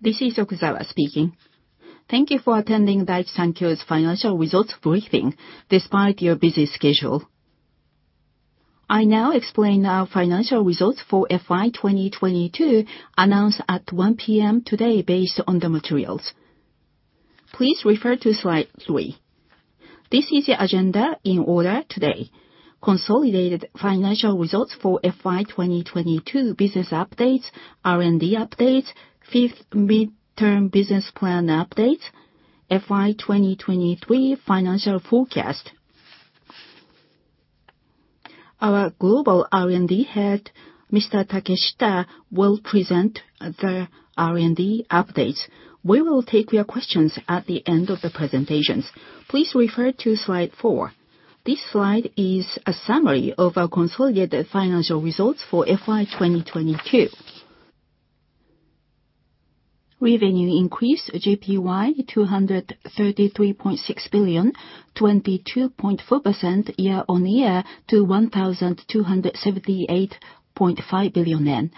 This is Mr. Okuzawa speaking. Thank you for attending Daiichi Sankyo's financial results briefing despite your busy schedule. I now explain our financial results for FY 2022 announced at 1:00 P.M. today based on the materials. Please refer to slide 3. This is the agenda in order today. Consolidated financial results for FY 2022 business updates, R&D updates, fifth midterm business plan updates, FY 2023 financial forecast. Our global R&D head, Mr. Takeshita, will present the R&D updates. We will take your questions at the end of the presentations. Please refer to slide four. This slide is a summary of our consolidated financial results for FY 2022. Revenue increased JPY 233.6 billion, 22.4% year-on-year to 1,278.5 billion yen.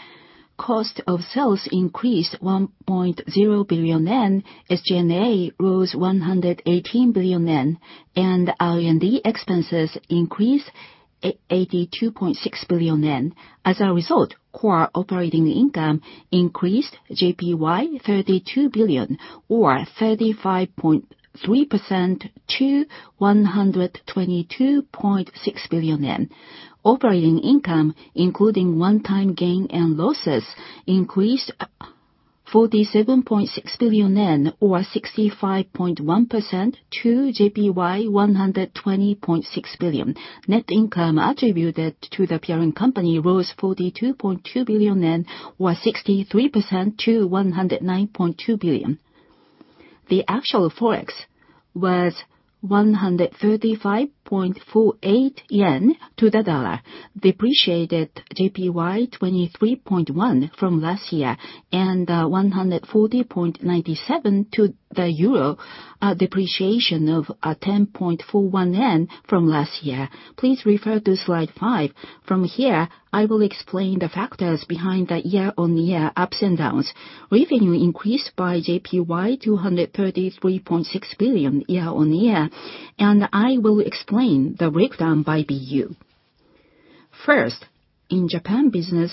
Cost of sales increased 1.0 billion yen, SG&A rose 118 billion yen, R&D expenses increased 82.6 billion yen. As a result, core operating income increased JPY 32 billion, or 35.3% to 122.6 billion yen. Operating income, including one-time gain and losses, increased 47.6 billion yen, or 65.1% to JPY 120.6 billion. Net income attributed to the parent company rose 42.2 billion yen, or 63% to 109.2 billion. The actual ForEx was 135.48 yen to the dollar, depreciated JPY 23.1 from last year, 140.97 to the euro, depreciation of 10.41 from last year. Please refer to slide five. From here, I will explain the factors behind the year-on-year ups and downs. Revenue increased by JPY 233.6 billion year-on-year. I will explain the breakdown by BU. First, in Japan business,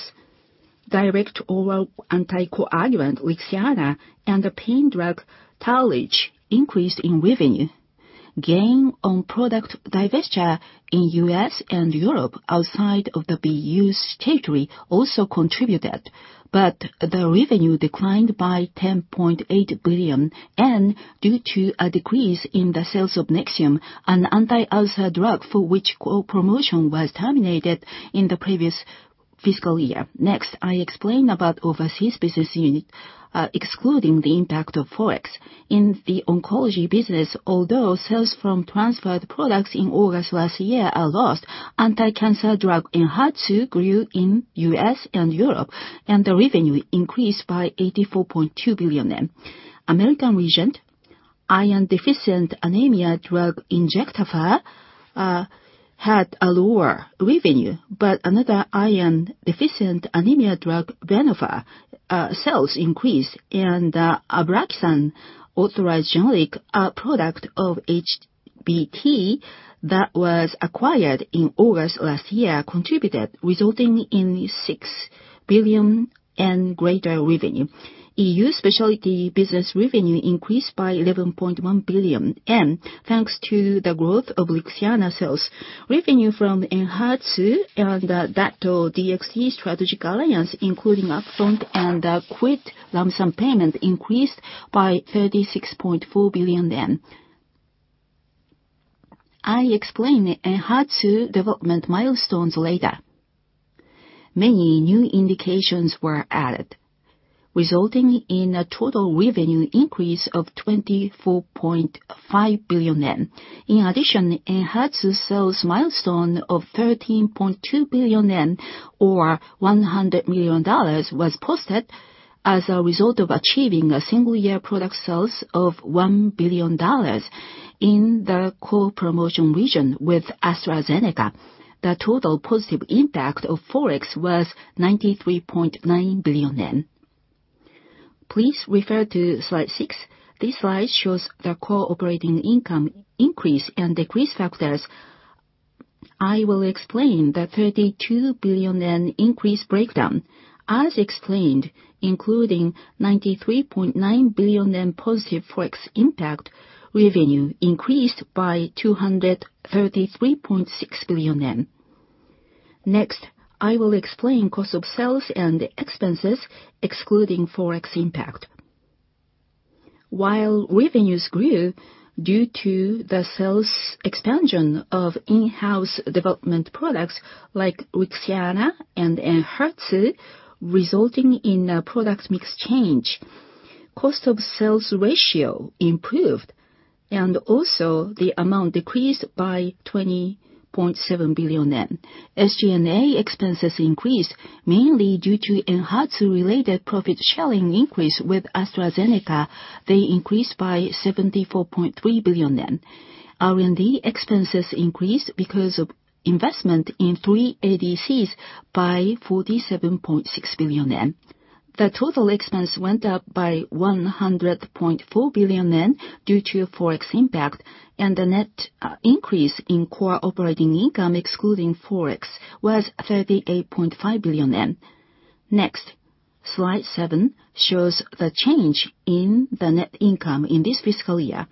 direct oral anticoagulant LIXIANA and the pain drug Tarlige increased in revenue. Gain on product divestiture in U.S. and Europe outside of the BU's territory also contributed. The revenue declined by 10.8 billion yen due to a decrease in the sales of Nexium, an anti-ulcer drug for which co-promotion was terminated in the previous fiscal year. Next, I explain about overseas business unit, excluding the impact of ForEx. In the oncology business, although sales from transferred products in August last year are lost, anti-cancer drug ENHERTU grew in U.S. and Europe. The revenue increased by 84.2 billion yen. American Regent, iron deficiency anemia drug INJECTAFER had a lower revenue. Another iron deficiency anemia drug, Venofer, sales increased. ABRAXANE, authorized generic product of HBT that was acquired in August last year contributed, resulting in 6 billion and greater revenue. EU specialty business revenue increased by 11.1 billion, thanks to the growth of LIXIANA sales. Revenue from ENHERTU and Dato-DXd strategic alliance, including upfront and quit lump sum payment increased by 36.4 billion yen. I explain ENHERTU development milestones later. Many new indications were added, resulting in a total revenue increase of 24.5 billion yen. In addition, ENHERTU sales milestone of 13.2 billion yen, or $100 million was posted as a result of achieving a single year product sales of $1 billion in the co-promotion region with AstraZeneca. The total positive impact of ForEx was 93.9 billion yen. Please refer to slide 6. This slide shows the core operating income increase and decrease factors. I will explain the 32 billion yen increase breakdown. As explained, including 93.9 billion yen positive ForEx impact, revenue increased by 233.6 billion yen. Next, I will explain cost of sales and expenses excluding ForEx impact. While revenues grew due to the sales expansion of in-house development products like LIXIANA and ENHERTU, resulting in a product mix change, cost of sales ratio improved. Also, the amount decreased by 20.7 billion yen. SG&A expenses increased mainly due to ENHERTU related profit sharing increase with AstraZeneca. They increased by 74.3 billion yen. R&D expenses increased because of investment in three ADCs by 47.6 billion yen. The total expense went up by 100.4 billion yen due to Forex impact, the net increase in core operating income excluding Forex was 38.5 billion yen. Slide seven shows the change in the net income in this fiscal year.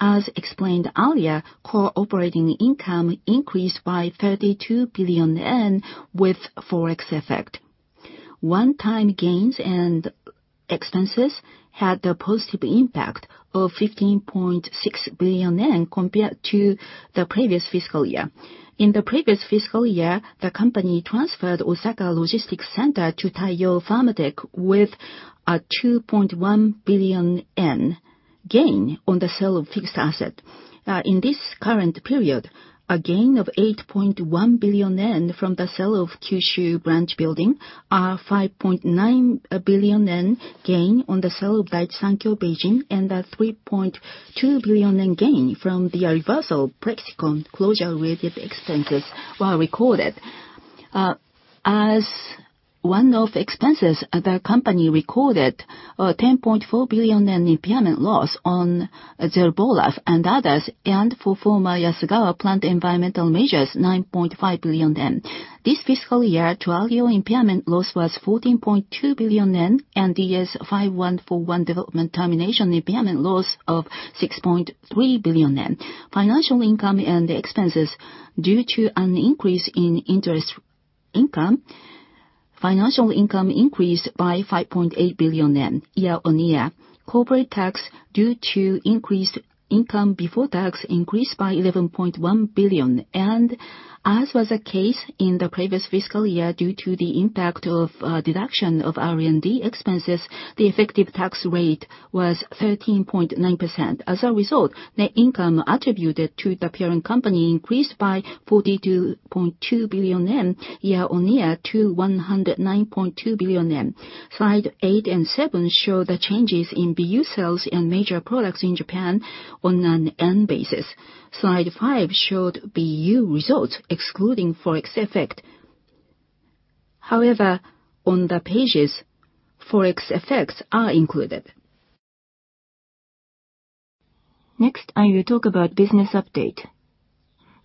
As explained earlier, core operating income increased by JPY 32 billion with Forex effect. One-time gains and expenses had a positive impact of 15.6 billion yen compared to the previous fiscal year. In the previous fiscal year, the company transferred Osaka Logistics Center to Taiyo Pharma Tech with a 2.1 billion gain on the sale of fixed asset. In this current period, a gain of 8.1 billion yen from the sale of Kyushu branch building, a 5.9 billion yen gain on the sale of Daiichi Sankyo Beijing, and a 3.2 billion yen gain from the reversal Plexxikon closure-related expenses were recorded. As one of expenses, the company recorded a 10.4 billion impairment loss on XERBOLAV and others, and for former Yasaka plant environmental measures, 9.5 billion yen. This fiscal year, TURALIO impairment loss was 14.2 billion yen, and DS-5141 development termination impairment loss of 6.3 billion yen. Financial income and expenses due to an increase in interest income, financial income increased by 5.8 billion yen year-on-year. Corporate tax due to increased income before tax increased by 11.1 billion. As was the case in the previous fiscal year due to the impact of deduction of R&D expenses, the effective tax rate was 13.9%. As a result, net income attributed to the parent company increased by 42.2 billion yen year-on-year to 109.2 billion yen. Slide 8 and 7 show the changes in BU sales and major products in Japan on an annual basis. Slide 5 showed BU results excluding Forex effect. However, on the pages, Forex effects are included. I will talk about business update.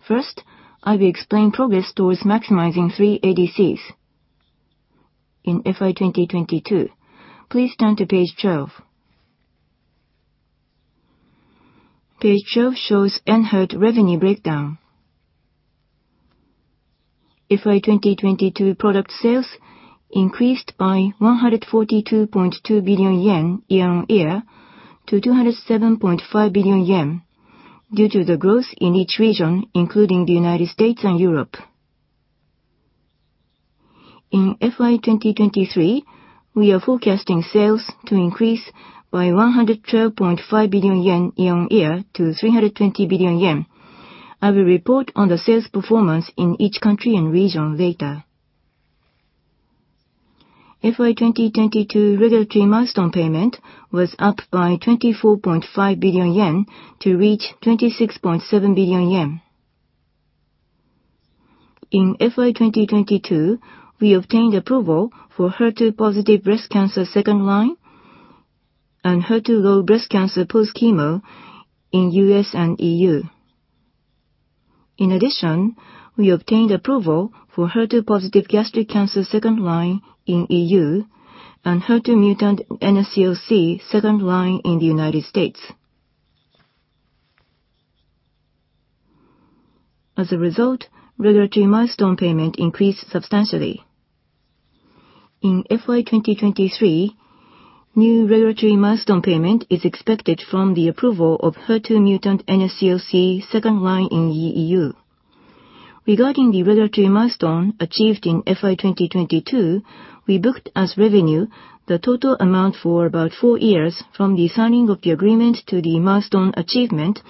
First, I will explain progress towards maximizing three ADCs in FY2022. Please turn to page 12. Page 12 shows Enhert revenue breakdown. FY2022 product sales increased by 142.2 billion yen year-on-year to 207.5 billion yen due to the growth in each region, including the United States and Europe. In FY2023, we are forecasting sales to increase by 112.5 billion yen year-on-year to 320 billion yen. I will report on the sales performance in each country and region later. FY2022 regulatory milestone payment was up by 24.5 billion yen to reach 26.7 billion yen. In FY2022, we obtained approval for HER2-positive breast cancer second-line and HER2-low breast cancer post-chemo in U.S. and EU. In addition, we obtained approval for HER2-positive gastric cancer second-line in EU and HER2-mutant NSCLC second-line in the United States. As a result, regulatory milestone payment increased substantially. In FY2023, new regulatory milestone payment is expected from the approval of HER2 mutant NSCLC second line in EU. Regarding the regulatory milestone achieved in FY2022, we booked as revenue the total amount for about 4 years from the signing of the agreement to the milestone achievement,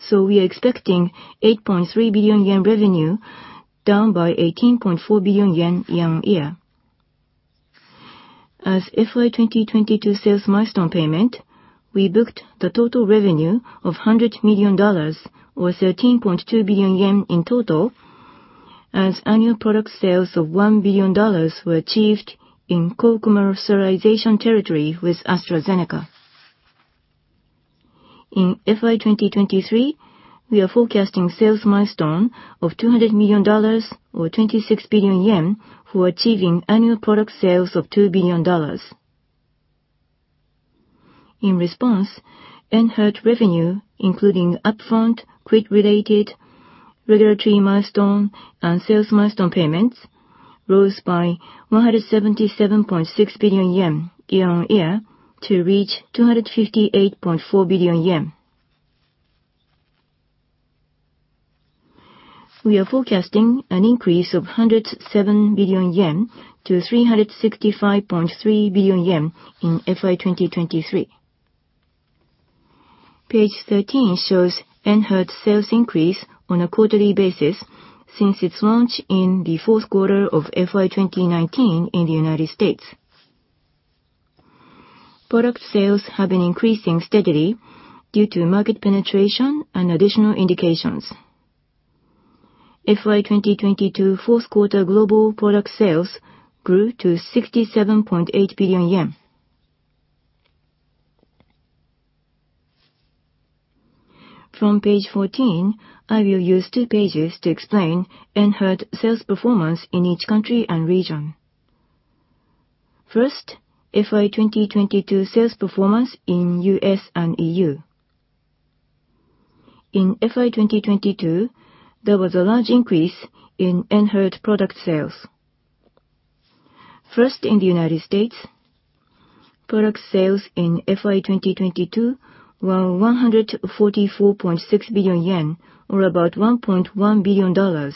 so we are expecting 8.3 billion yen revenue, down by 18.4 billion yen year-on-year. As FY2022 sales milestone payment, we booked the total revenue of $100 million or 13.2 billion yen in total as annual product sales of $1 billion were achieved in co-commercialization territory with AstraZeneca. In FY2023, we are forecasting sales milestone of $200 million or 26 billion yen for achieving annual product sales of $2 billion. In response, ENHERTU revenue, including upfront, quit-related regulatory milestone and sales milestone payments, rose by 177.6 billion yen year-on-year to reach 258.4 billion yen. We are forecasting an increase of 107 billion yen to 365.3 billion yen in FY2023. Page 13 shows ENHERTU's sales increase on a quarterly basis since its launch in the Q4 of FY2019 in the United States. Product sales have been increasing steadily due to market penetration and additional indications. FY2022 Q4 global product sales grew to 67.8 billion yen. From page 14, I will use two pages to explain ENHERTU sales performance in each country and region. First, FY2022 sales performance in U.S. and EU. In FY2022, there was a large increase in ENHERTU product sales. First, in the United States, product sales in FY2022 were 144.6 billion yen, or about $1.1 billion.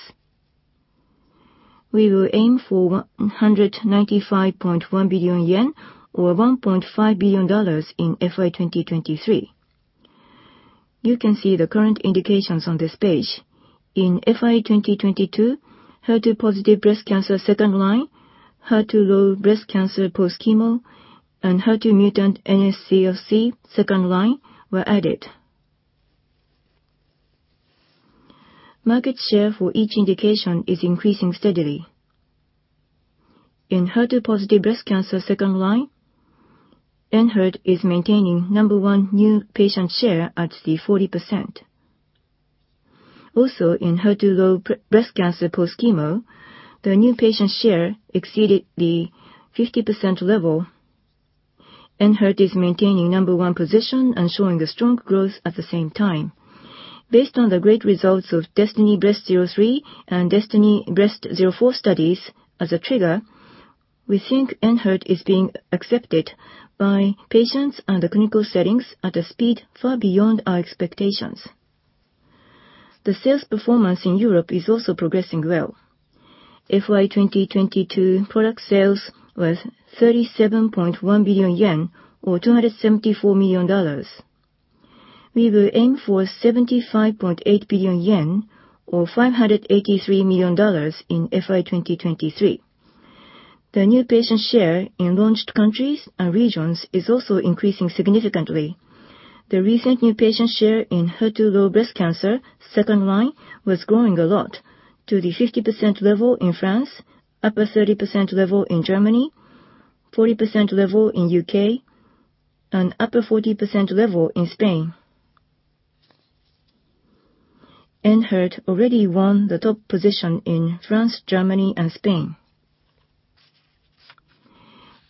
We will aim for 195.1 billion yen, or $1.5 billion in FY2023. You can see the current indications on this page. In FY2022, HER2-positive breast cancer second-line, HER2-low breast cancer post-chemo, and HER2-mutant NSCLC second-line were added. Market share for each indication is increasing steadily. In HER2-positive breast cancer second-line, ENHERTU is maintaining number one new patient share at the 40%. In HER2-low breast cancer post-chemo, the new patient share exceeded the 50% level. ENHERTU is maintaining number one position and showing a strong growth at the same time. Based on the great results of DESTINY-Breast03 and DESTINY-Breast04 studies as a trigger, we think ENHERTU is being accepted by patients under clinical settings at a speed far beyond our expectations. The sales performance in Europe is also progressing well. FY2022 product sales was 37.1 billion yen or $274 million. We will aim for 75.8 billion yen or $583 million in FY2023. The new patient share in launched countries and regions is also increasing significantly. The recent new patient share in HER2-low breast cancer second-line was growing a lot to the 50% level in France, upper 30% level in Germany, 40% level in U.K., and upper 40% level in Spain. ENHERTU already won the top position in France, Germany and Spain.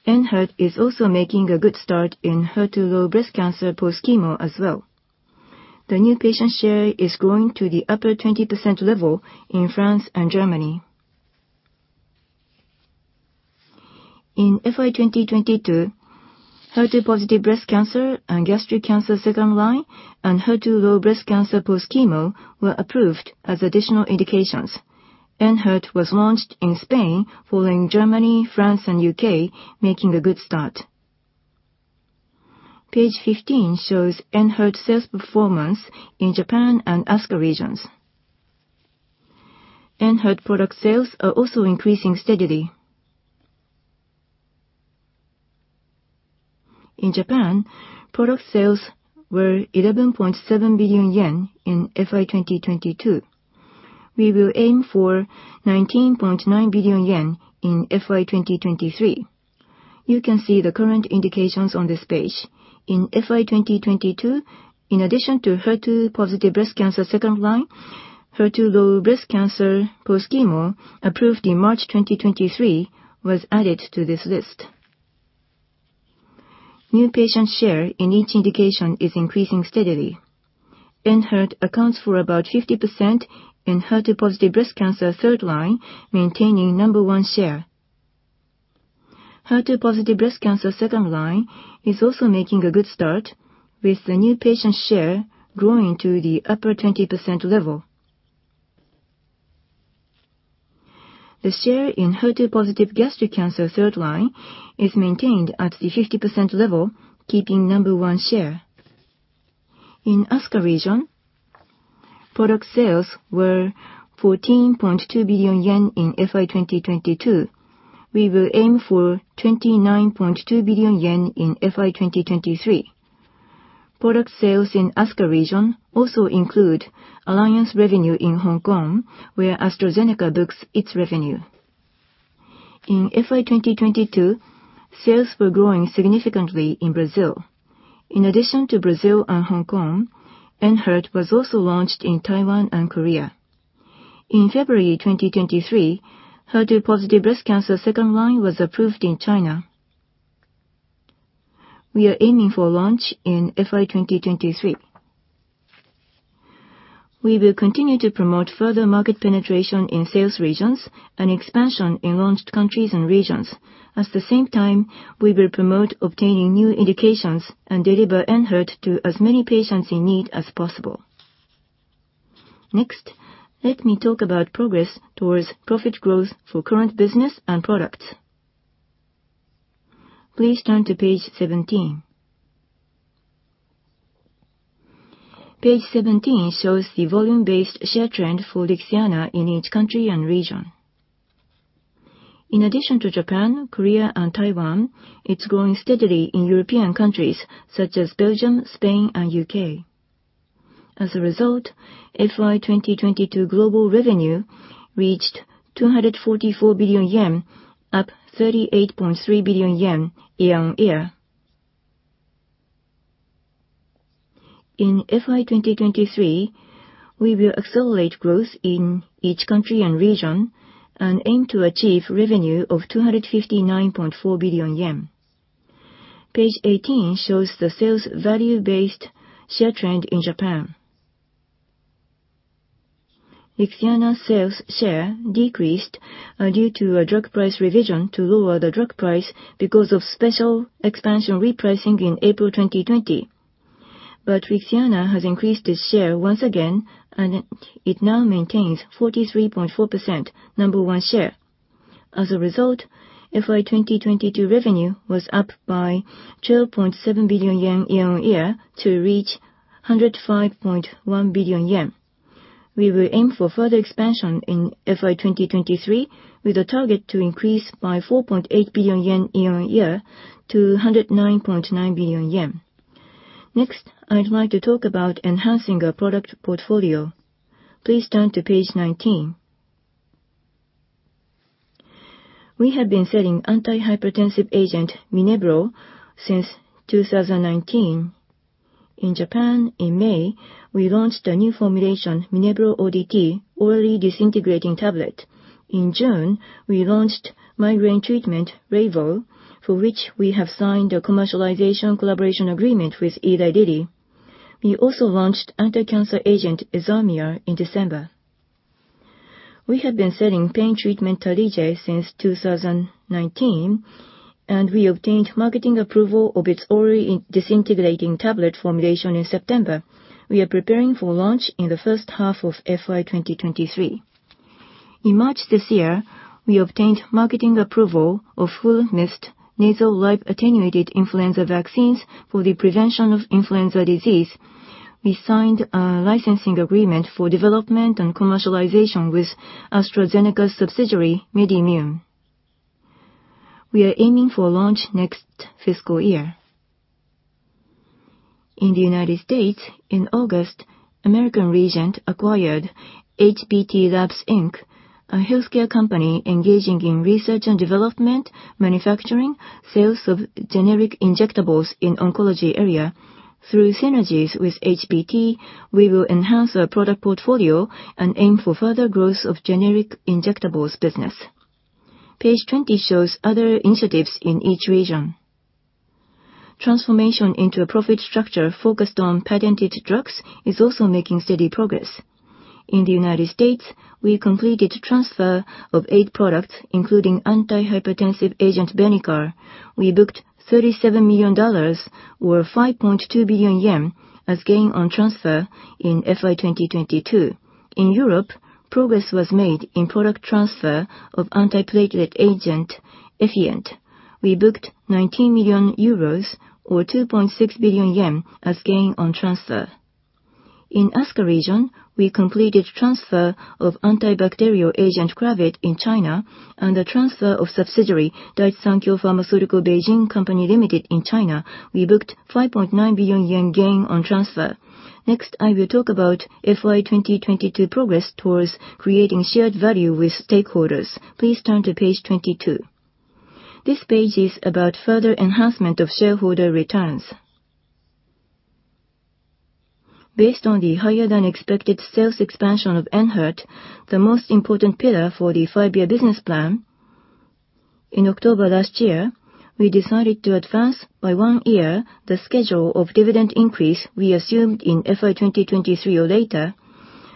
ENHERTU is also making a good start in HER2-low breast cancer post-chemo as well. The new patient share is growing to the upper 20% level in France and Germany. In FY2022, HER2-positive breast cancer and gastric cancer second-line and HER2-low breast cancer post-chemo were approved as additional indications. ENHERTU was launched in Spain, following Germany, France and U.K., making a good start. Page 15 shows ENHERTU sales performance in Japan and ASCA regions. ENHERTU product sales are also increasing steadily. In Japan, product sales were 11.7 billion yen in FY2022. We will aim for 19.9 billion yen in FY2023. You can see the current indications on this page. In FY2022, in addition to HER2-positive breast cancer second-line, HER2-low breast cancer post-chemo, approved in March 2023, was added to this list. New patient share in each indication is increasing steadily. ENHERTU accounts for about 50% in HER2-positive breast cancer third-line, maintaining number 1 share. HER2-positive breast cancer second-line is also making a good start, with the new patient share growing to the upper 20% level. The share in HER2-positive gastric cancer third-line is maintained at the 50% level, keeping number one share. In ASCA region, product sales were 14.2 billion yen in FY2022. We will aim for 29.2 billion yen in FY2023. Product sales in ASCA region also include alliance revenue in Hong Kong, where AstraZeneca books its revenue. In FY2022, sales were growing significantly in Brazil. In addition to Brazil and Hong Kong, ENHERTU was also launched in Taiwan and Korea. In February 2023, HER2 positive breast cancer second-line was approved in China. We are aiming for launch in FY2023. We will continue to promote further market penetration in sales regions and expansion in launched countries and regions. At the same time, we will promote obtaining new indications and deliver ENHERTU to as many patients in need as possible. Let me talk about progress towards profit growth for current business and products. Please turn to page 17. Page 17 shows the volume-based share trend for LIXIANA in each country and region. In addition to Japan, Korea, and Taiwan, it's growing steadily in European countries such as Belgium, Spain, and U.K. FY 2022 global revenue reached 244 billion yen, up 38.3 billion yen year-on-year. In FY 2023, we will accelerate growth in each country and region and aim to achieve revenue of 259.4 billion yen. Page 18 shows the sales value-based share trend in Japan. LIXIANA's sales share decreased due to a drug price revision to lower the drug price because of market expansion repricing in April 2020. LIXIANA has increased its share once again, and it now maintains 43.4% number one share. FY 2022 revenue was up by 12.7 billion yen year-on-year to reach 105.1 billion yen. We will aim for further expansion in FY 2023 with a target to increase by 4.8 billion yen year-on-year to 109.9 billion yen. Next, I'd like to talk about enhancing our product portfolio. Please turn to page 19. We have been selling antihypertensive agent, Minebra, since 2019. In Japan in May, we launched a new formulation, Minnebro OD, orally disintegrating tablet. In June, we launched migraine treatment REYVOW, for which we have signed a commercialization collaboration agreement with Eli Lilly. We also launched anti-cancer agent EZHARMIA in December. We have been selling pain treatment Tarlige since 2019, and we obtained marketing approval of its orally disintegrating tablet formulation in September. We are preparing for launch in the first half of FY 2023. In March this year, we obtained marketing approval of FluMist nasal live attenuated influenza vaccines for the prevention of influenza disease. We signed a licensing agreement for development and commercialization with AstraZeneca's subsidiary, MedImmune. We are aiming for launch next fiscal year. In the U.S. in August, American Regent acquired HBT Labs, Inc., a healthcare company engaging in research and development, manufacturing, sales of generic injectables in oncology area. Through synergies with HBT, we will enhance our product portfolio and aim for further growth of generic injectables business. Page 20 shows other initiatives in each region. Transformation into a profit structure focused on patented drugs is also making steady progress. In the U.S., we completed transfer of eight products including antihypertensive agent Benicar. We booked $37 million or 5.2 billion yen as gain on transfer in FY 2022. In Europe, progress was made in product transfer of antiplatelet agent Effient. We booked 19 million euros or 2.6 billion yen as gain on transfer. In ASCA region, we completed transfer of antibacterial agent Cravit in China and the transfer of subsidiary, Daiichi Sankyo Pharmaceutical Beijing Company Limited in China. We booked 5.9 billion yen gain on transfer. I will talk about FY 2022 progress towards creating shared value with stakeholders. Please turn to page 22. This page is about further enhancement of shareholder returns. Based on the higher than expected sales expansion of ENHERTU, the most important pillar for the five-year business plan. In October last year, we decided to advance by one year the schedule of dividend increase we assumed in FY 2023 or later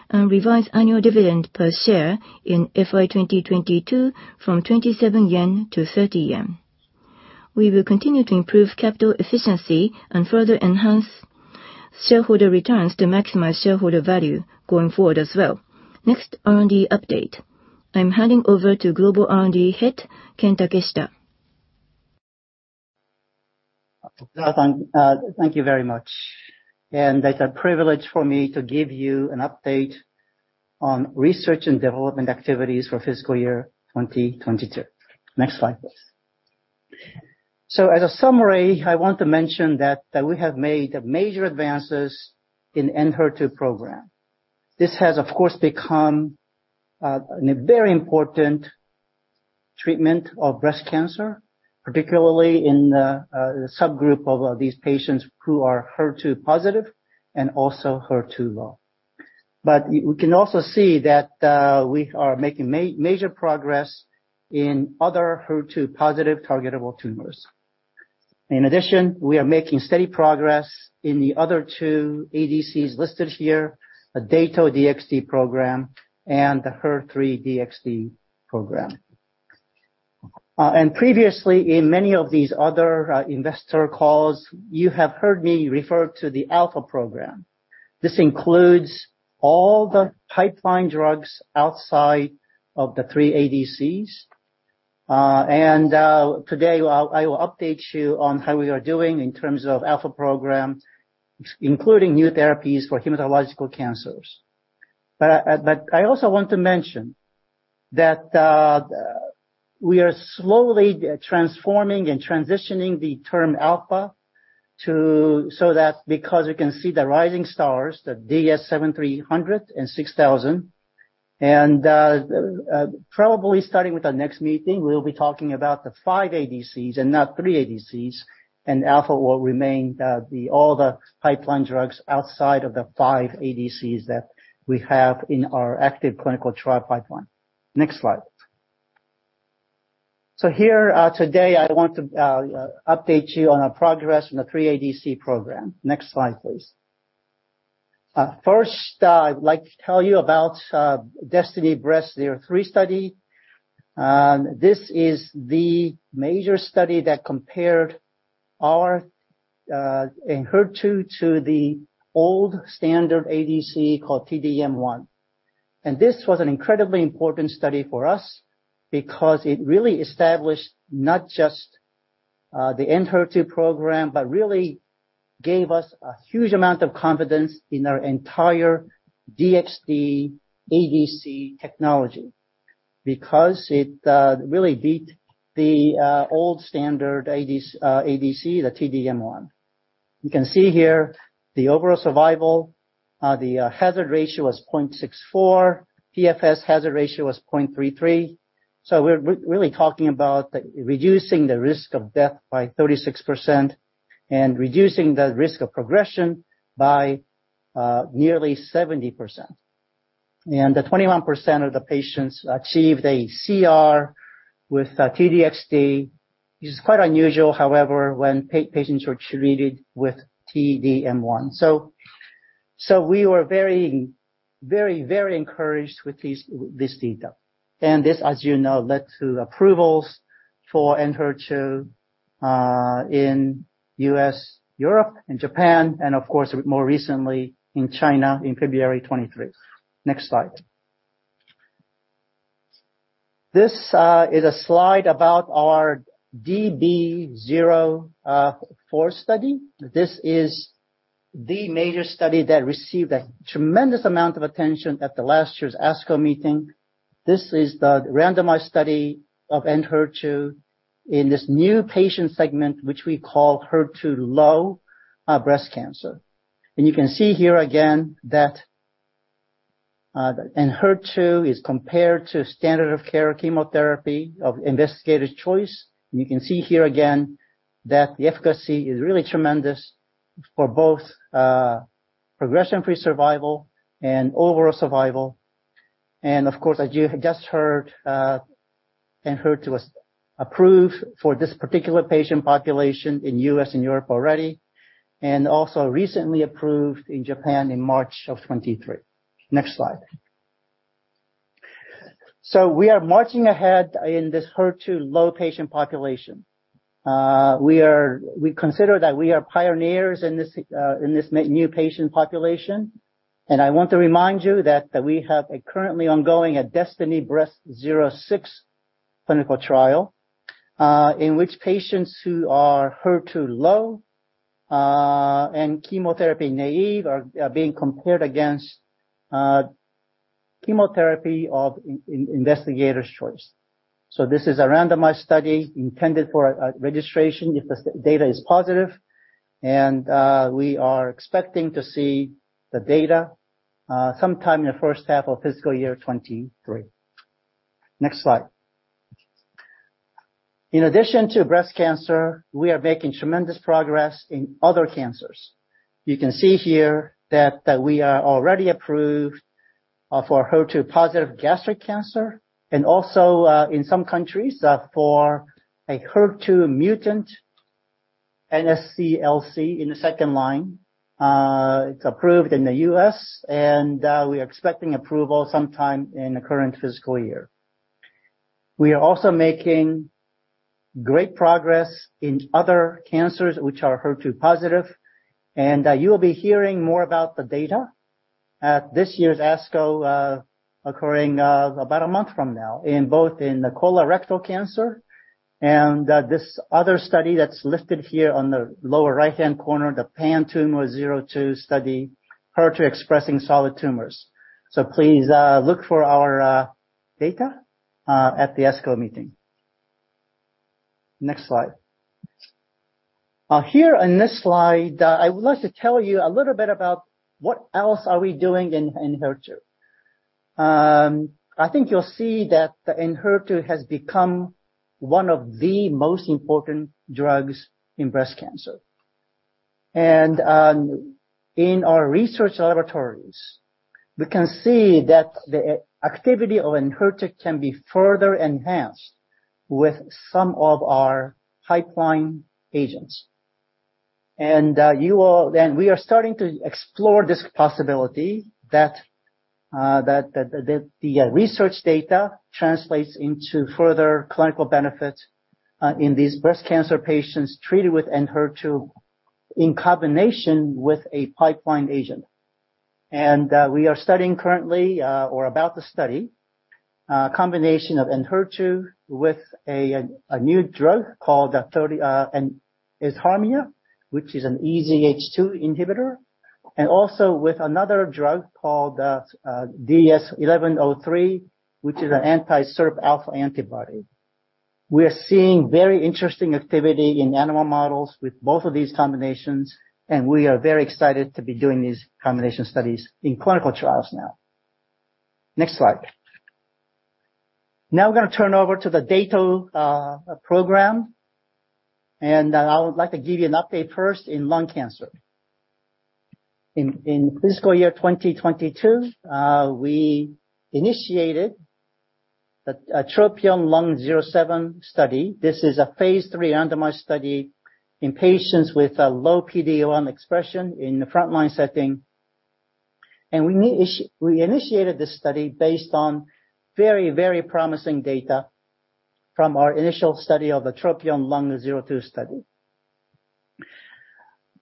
and revise annual dividend per share in FY 2022 from 27 yen to 30 yen. We will continue to improve capital efficiency and further enhance shareholder returns to maximize shareholder value going forward as well. Next, R&D update. I'm handing over to Global R&D Head, Ken Takeshita. Thank you very much. It's a privilege for me to give you an update on research and development activities for fiscal year 2022. Next slide, please. As a summary, I want to mention that we have made major advances in ENHERTU program. This has of course become a very important treatment of breast cancer, particularly in the subgroup of these patients who are HER2-positive and also HER2-low. We can also see that we are making major progress in other HER2-positive targetable tumors. In addition, we are making steady progress in the other two ADCs listed here, the Dato-DXd program and the HER3-DXd program. And previously in many of these other investor calls, you have heard me refer to the Alpha program. This includes all the pipeline drugs outside of the three ADCs. Today I will update you on how we are doing in terms of Alpha program, including new therapies for hematological cancers. I also want to mention that, we are slowly transforming and transitioning the term alpha so that because you can see the Rising Stars, the DS 706,000. probably starting with our next meeting, we'll be talking about the 5 ADCs and not 3 ADCs, and alpha will remain all the pipeline drugs outside of the 5 ADCs that we have in our active clinical trial pipeline. Next slide. today I want to update you on our progress in the 3 ADC program. Next slide, please. I'd like to tell you about DESTINY-Breast03 study. This is the major study that compared our ENHERTU to the old standard ADC called T-DM1. This was an incredibly important study for us because it really established not just the ENHERTU program, but really gave us a huge amount of confidence in our entire DXd ADC technology because it really beat the old standard ADC, the T-DM1. You can see here the overall survival, the hazard ratio was 0.64. PFS hazard ratio was 0.33. We're really talking about reducing the risk of death by 36% and reducing the risk of progression by nearly 70%. The 21% of the patients achieved a CR with T-DXd, which is quite unusual however when patients were treated with T-DM1. We were very encouraged with these, with this data. This, as you know, led to approvals for ENHERTU in U.S., Europe and Japan, and of course, more recently in China in February 2023. Next slide. This is a slide about our DB-04 study. This is the major study that received a tremendous amount of attention at the last year's ASCO meeting. This is the randomized study of ENHERTU in this new patient segment, which we call HER2-low breast cancer. You can see here again that ENHERTU is compared to standard of care chemotherapy of investigator's choice. You can see here again that the efficacy is really tremendous for both progression-free survival and overall survival. Of course, as you have just heard, Enhertu was approved for this particular patient population in U.S. and Europe already, and also recently approved in Japan in March of 2023. Next slide. We are marching ahead in this HER2-low patient population. We consider that we are pioneers in this new patient population. I want to remind you that we have a currently ongoing DESTINY-Breast06 clinical trial, in which patients who are HER2-low and chemotherapy naive are being compared against chemotherapy of investigator's choice. This is a randomized study intended for a registration if the data is positive, we are expecting to see the data sometime in the first half of fiscal year 2023. Next slide. In addition to breast cancer, we are making tremendous progress in other cancers. You can see here that we are already approved for HER2 positive gastric cancer and also in some countries for a HER2 mutant NSCLC in the second line. It's approved in the U.S. and we are expecting approval sometime in the current fiscal year. We are also making great progress in other cancers which are HER2 positive, you will be hearing more about the data at this year's ASCO occurring about a month from now in both in the colorectal cancer and this other study that's listed here on the lower right-hand corner, the PanTumor02 study, HER2 expressing solid tumors. Please look for our data at the ASCO meeting. Next slide. Here on this slide, I would like to tell you a little bit about what else are we doing in ENHERTU. I think you'll see that the ENHERTU has become one of the most important drugs in breast cancer. In our research laboratories, we can see that the activity of ENHERTU can be further enhanced with some of our pipeline agents. We are starting to explore this possibility that the research data translates into further clinical benefit in these breast cancer patients treated with ENHERTU in combination with a pipeline agent. We are studying currently or about to study combination of ENHERTU with a new drug called EZHARMIA, which is an EZH2 inhibitor, and also with another drug called DS-1103, which is an anti-SIRPα antibody. We are seeing very interesting activity in animal models with both of these combinations, and we are very excited to be doing these combination studies in clinical trials now. Next slide. Now we're gonna turn over to the Dato program, and I would like to give you an update first in lung cancer. In fiscal year 2022, we initiated the TROPION-Lung07 study. This is a Phase III randomized study in patients with a low PD-L1 expression in the front-line setting. We initiated this study based on very promising data from our initial study of the TROPION-Lung02 study.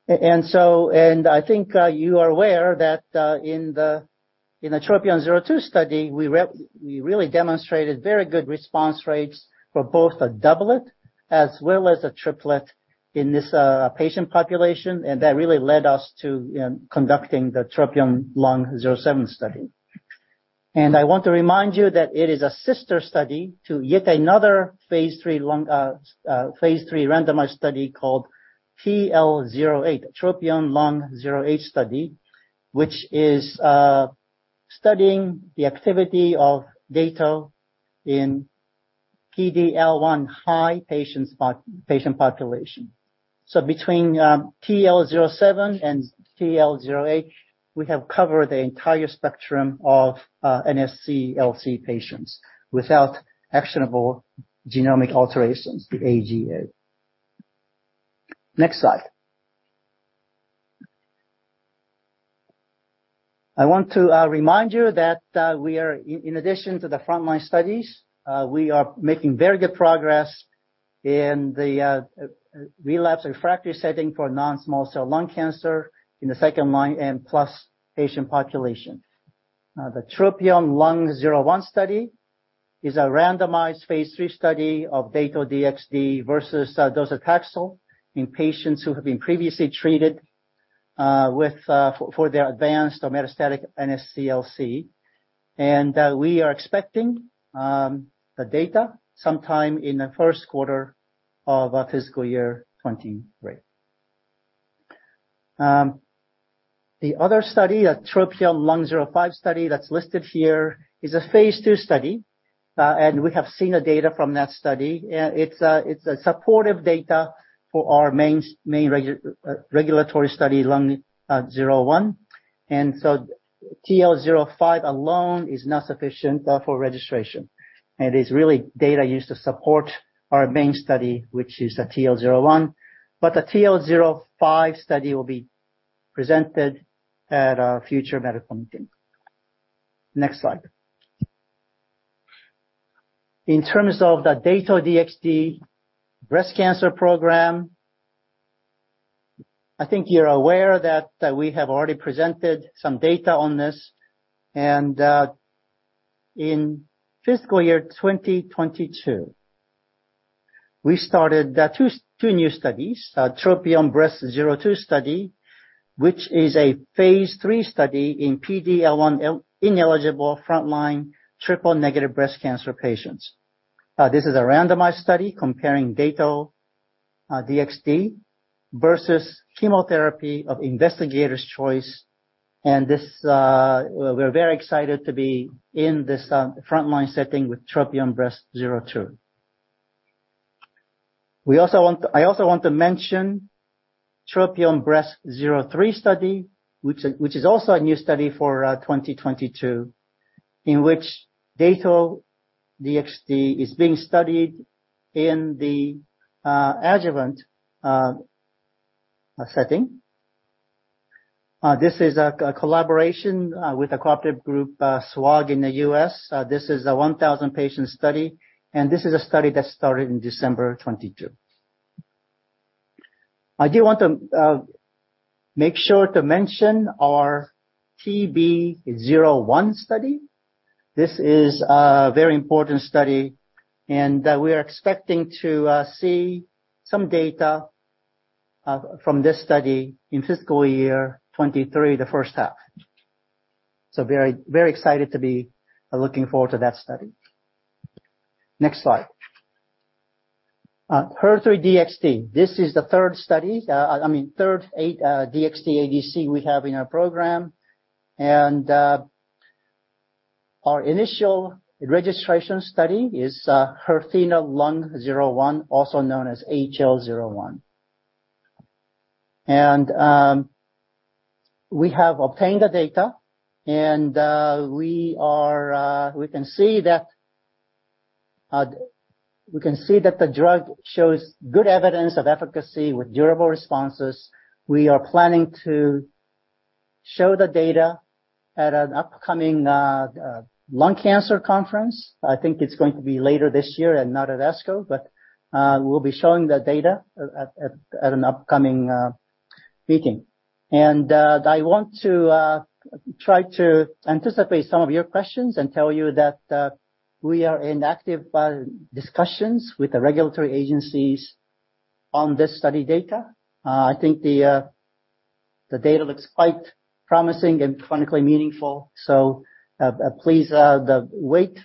I think you are aware that in the TROPION 02 study, we really demonstrated very good response rates for both a doublet as well as a triplet in this patient population, and that really led us to, you know, conducting the TROPION-Lung07 study. I want to remind you that it is a sister study to yet another Phase III lung, Phase III randomized study called TL08, TROPION-Lung08 study, which is studying the activity of Dato in PD-L1 high patient population. Between TL07 and TL08, we have covered the entire spectrum of NSCLC patients without actionable genomic alterations, the AGA. Next slide. I want to remind you that we are in addition to the front-line studies, we are making very good progress in the relapse/refractory setting for non-small cell lung cancer in the second-line and plus patient population. The TROPION-Lung01 study is a randomized Phase III study of Dato-DXd versus docetaxel in patients who have been previously treated with for their advanced or metastatic NSCLC. We are expecting the data sometime in the Q1 of fiscal year 23. The other study, a TROPION-Lung05 study that's listed here, is a Phase II study, and we have seen the data from that study. It's a supportive data for our main regulatory study Lung 01. TL-05 alone is not sufficient for registration. It is really data used to support our main study, which is the TL-01. The TL-05 study will be presented at a future medical meeting. Next slide. In terms of the Dato-DXd breast cancer program, I think you're aware that we have already presented some data on this. In fiscal year 2022, we started two new studies, Tropion-Breast 02 study, which is a Phase III study in PD-L1 ineligible front-line triple-negative breast cancer patients. This is a randomized study comparing Dato DXd versus chemotherapy of investigator's choice. This, we're very excited to be in this front-line setting with Tropion-Breast 02. We also want to mention TROPION-Breast03 study, which is also a new study for 2022, in which Dato-DXd is being studied in the adjuvant setting. This is a collaboration with a cooperative group, SWOG in the U.S. This is a 1,000 patient study, and this is a study that started in December 2022. I do want to make sure to mention our TB zero one study. This is a very important study, and we are expecting to see some data from this study in fiscal year 2023, the first half. So very, very excited to be looking forward to that study. Next slide. HER3-DXd, this is the third study, I mean, third eight DXd ADC we have in our program. Our initial registration study is HERTHENA-Lung01, also known as H-L01. We have obtained the data, we are, we can see that the drug shows good evidence of efficacy with durable responses. We are planning to show the data at an upcoming lung cancer conference. I think it's going to be later this year and not at ASCO, but we'll be showing the data at an upcoming Meeting. I want to try to anticipate some of your questions and tell you that we are in active discussions with the regulatory agencies on this study data. I think the data looks quite promising and clinically meaningful. Please wait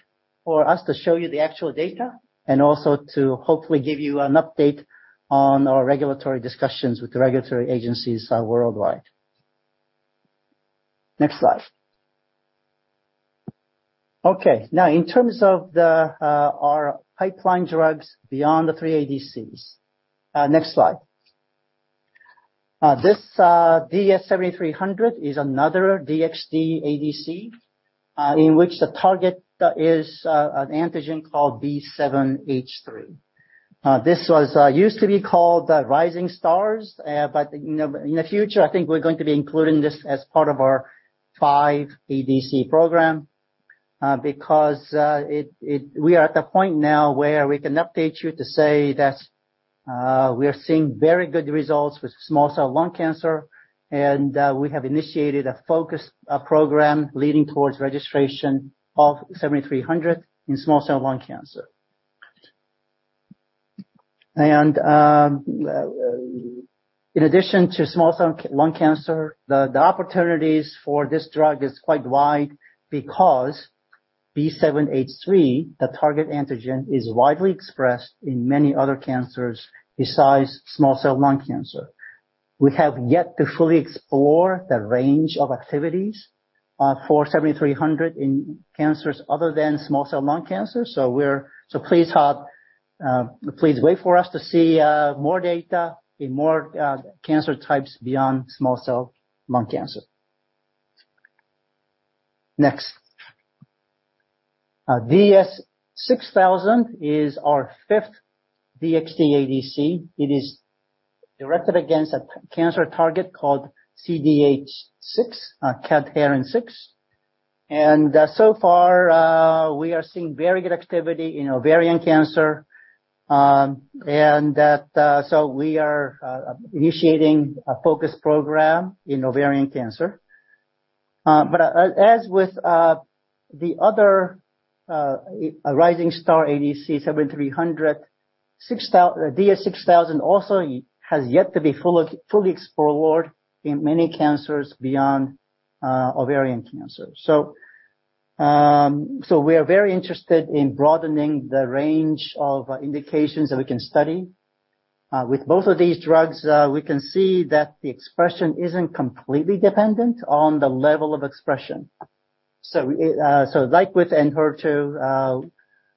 for us to show you the actual data and also to hopefully give you an update on our regulatory discussions with the regulatory agencies worldwide. Next slide. In terms of our pipeline drugs beyond the 3 ADCs. Next slide. This DS-7300 is another DXd ADC in which the target is an antigen called B7H3. This was used to be called the Rising Stars. In the future, I think we're going to be including this as part of our 5 ADC program. We are at the point now where we can update you to say that we are seeing very good results with small cell lung cancer, we have initiated a focused program leading towards registration of DS-7300 in small cell lung cancer. In addition to small cell lung cancer, the opportunities for this drug is quite wide because B7H3, the target antigen, is widely expressed in many other cancers besides small cell lung cancer. We have yet to fully explore the range of activities for DS-7300 in cancers other than small cell lung cancer. Please help, please wait for us to see more data in more cancer types beyond small cell lung cancer. Next. DS-6000 is our fifth DXd ADC. It is directed against a cancer target called CDH6, cadherin-6. So far, we are seeing very good activity in ovarian cancer. That... We are initiating a focus program in ovarian cancer. As with the other Rising Star ADC DS-7300, DS-6000 also has yet to be fully explored in many cancers beyond ovarian cancer. We are very interested in broadening the range of indications that we can study. With both of these drugs, we can see that the expression isn't completely dependent on the level of expression. Like with ENHERTU,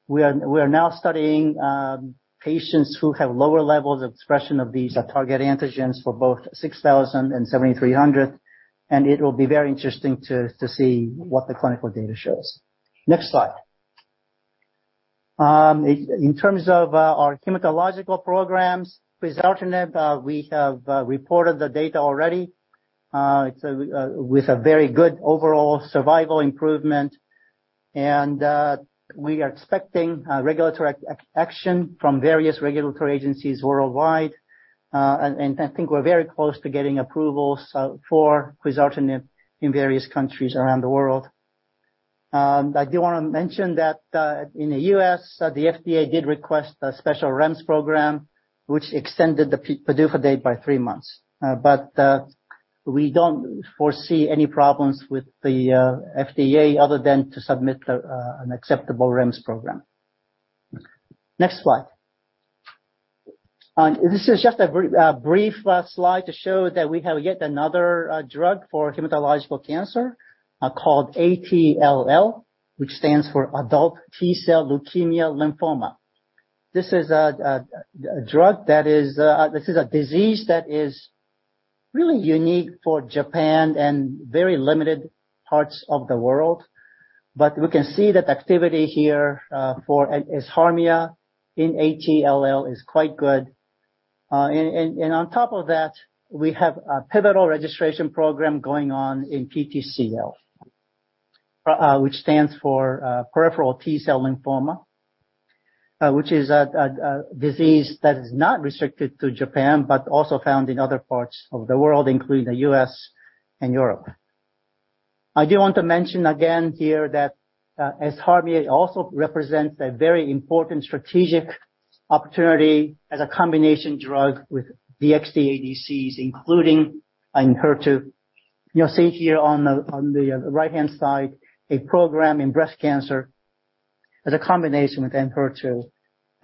we are now studying patients who have lower levels of expression of these target antigens for both 6000 and 7300, and it will be very interesting to see what the clinical data shows. Next slide. In terms of our hematological programs, quizartinib, we have reported the data already, it's with a very good overall survival improvement. We are expecting regulatory action from various regulatory agencies worldwide. I think we're very close to getting approval, so for quizartinib in various countries around the world. I do wanna mention that in the U.S., the FDA did request a special REMS program, which extended the PDUFA date by 3 months. We don't foresee any problems with the FDA other than to submit an acceptable REMS program. Next slide. This is just a very brief slide to show that we have yet another drug for hematological cancer called ATLL, which stands for adult T-cell leukemia lymphoma. This is a disease that is really unique for Japan and very limited parts of the world. We can see that the activity here for Ezharmia in ATLL is quite good. And on top of that, we have a pivotal registration program going on in PTCL, which stands for peripheral T-cell lymphoma. Which is a disease that is not restricted to Japan but also found in other parts of the world, including the U.S. and Europe. I do want to mention again here that EZHARMIA also represents a very important strategic opportunity as a combination drug with DXdADCs, including ENHERTU. You will see here on the right-hand side a program in breast cancer as a combination with ENHERTU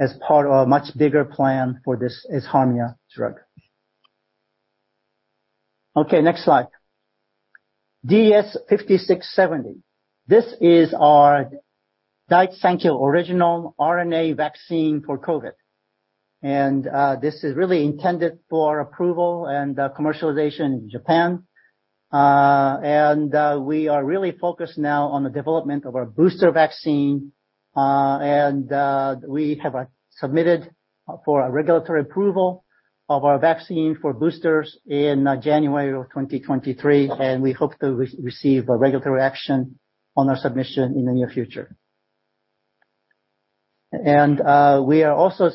as part of a much bigger plan for this EZHARMIA drug. Okay, next slide. DS-5670. This is our Daiichi Sankyo original mRNA vaccine for COVID-19. This is really intended for approval and commercialization in Japan. We are really focused now on the development of our booster vaccine. We have submitted for a regulatory approval of our vaccine for boosters in January of 2023, and we hope to re-receive a regulatory action on our submission in the near future. We are also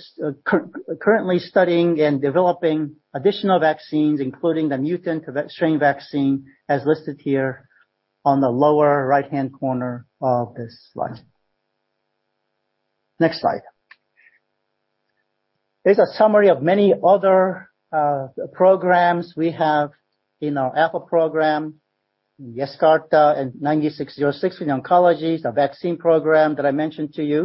currently studying and developing additional vaccines, including the mutant strain vaccine as listed here on the lower right-hand corner of this slide. Next slide. Here's a summary of many other programs we have in our Alpha program, Yescarta and DS-9606 in oncology. The vaccine program that I mentioned to you,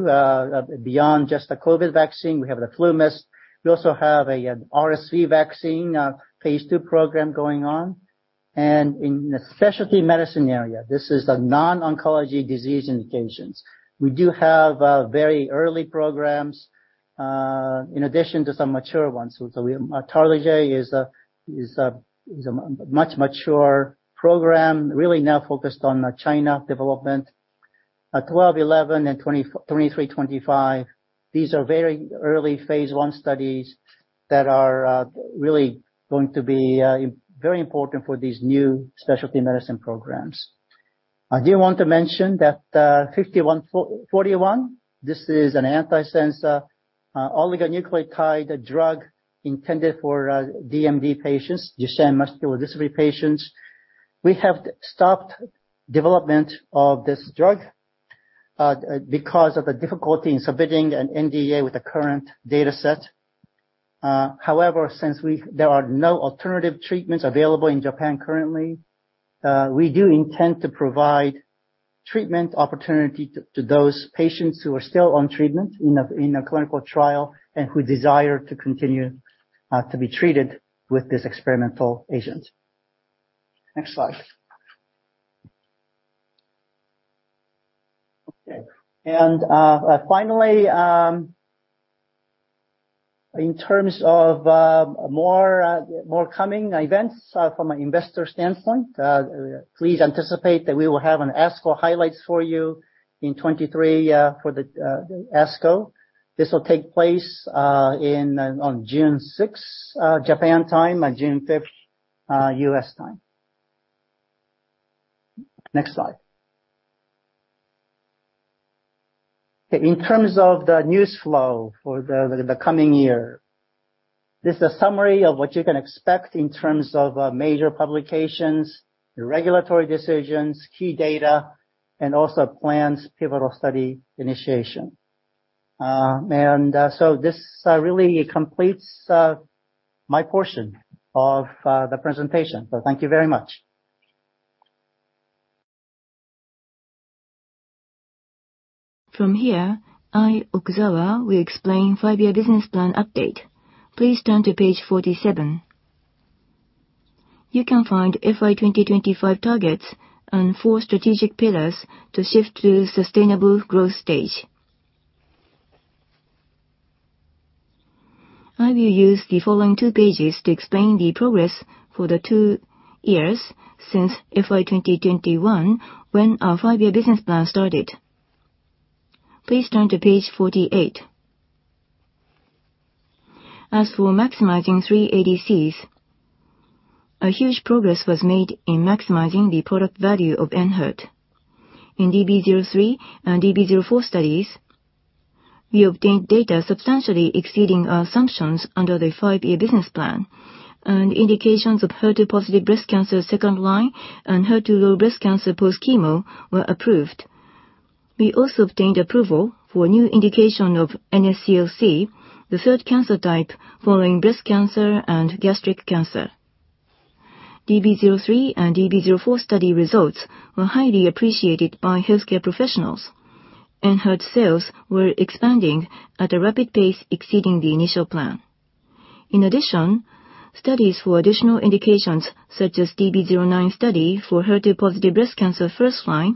beyond just the COVID vaccine, we have the FluMist. We also have an RSV vaccine, Phase II program going on. In the specialty medicine area, this is the non-oncology disease indications. We do have very early programs in addition to some mature ones. Tarlige is a much mature program, really now focused on China development. DS-1211 and DS-2325, these are very early Phase I studies that are really going to be very important for these new specialty medicine programs. I do want to mention that DS-5141, this is an antisense oligonucleotide drug intended for DMD patients, Duchenne muscular dystrophy patients. We have stopped development of this drug because of the difficulty in submitting an NDA with the current dataset. However, since there are no alternative treatments available in Japan currently, we do intend to provide treatment opportunity to those patients who are still on treatment in a clinical trial and who desire to continue to be treated with this experimental agent. Next slide. Okay. Finally, in terms of more coming events from an investor standpoint, please anticipate that we will have an ASCO highlights for you in 2023 for the ASCO. This will take place on June 6th, Japan time, on June 5th, U.S. time. Next slide. In terms of the news flow for the coming year, this is a summary of what you can expect in terms of major publications, regulatory decisions, key data, and also planned pivotal study initiation. This really completes my portion of the presentation. Thank you very much. I, Okuzawa, will explain five-year business plan update. Please turn to page 47. You can find FY 2025 targets and four strategic pillars to shift to sustainable growth stage. I will use the following two pages to explain the progress for the two years since FY 2021 when our five-year business plan started. Please turn to page 48. Maximizing three ADCs, a huge progress was made in maximizing the product value of ENHERTU. In DB-03 and DB-04 studies, we obtained data substantially exceeding our assumptions under the five-year business plan. Indications of HER2-positive breast cancer second-line and HER2-low breast cancer post-chemo were approved. We also obtained approval for new indication of NSCLC, the 3rd cancer type following breast cancer and gastric cancer. DB-03 and DB-04 study results were highly appreciated by healthcare professionals. ENHERTU sales were expanding at a rapid pace exceeding the initial plan. In addition, studies for additional indications such as DB-09 study for HER2-positive breast cancer first line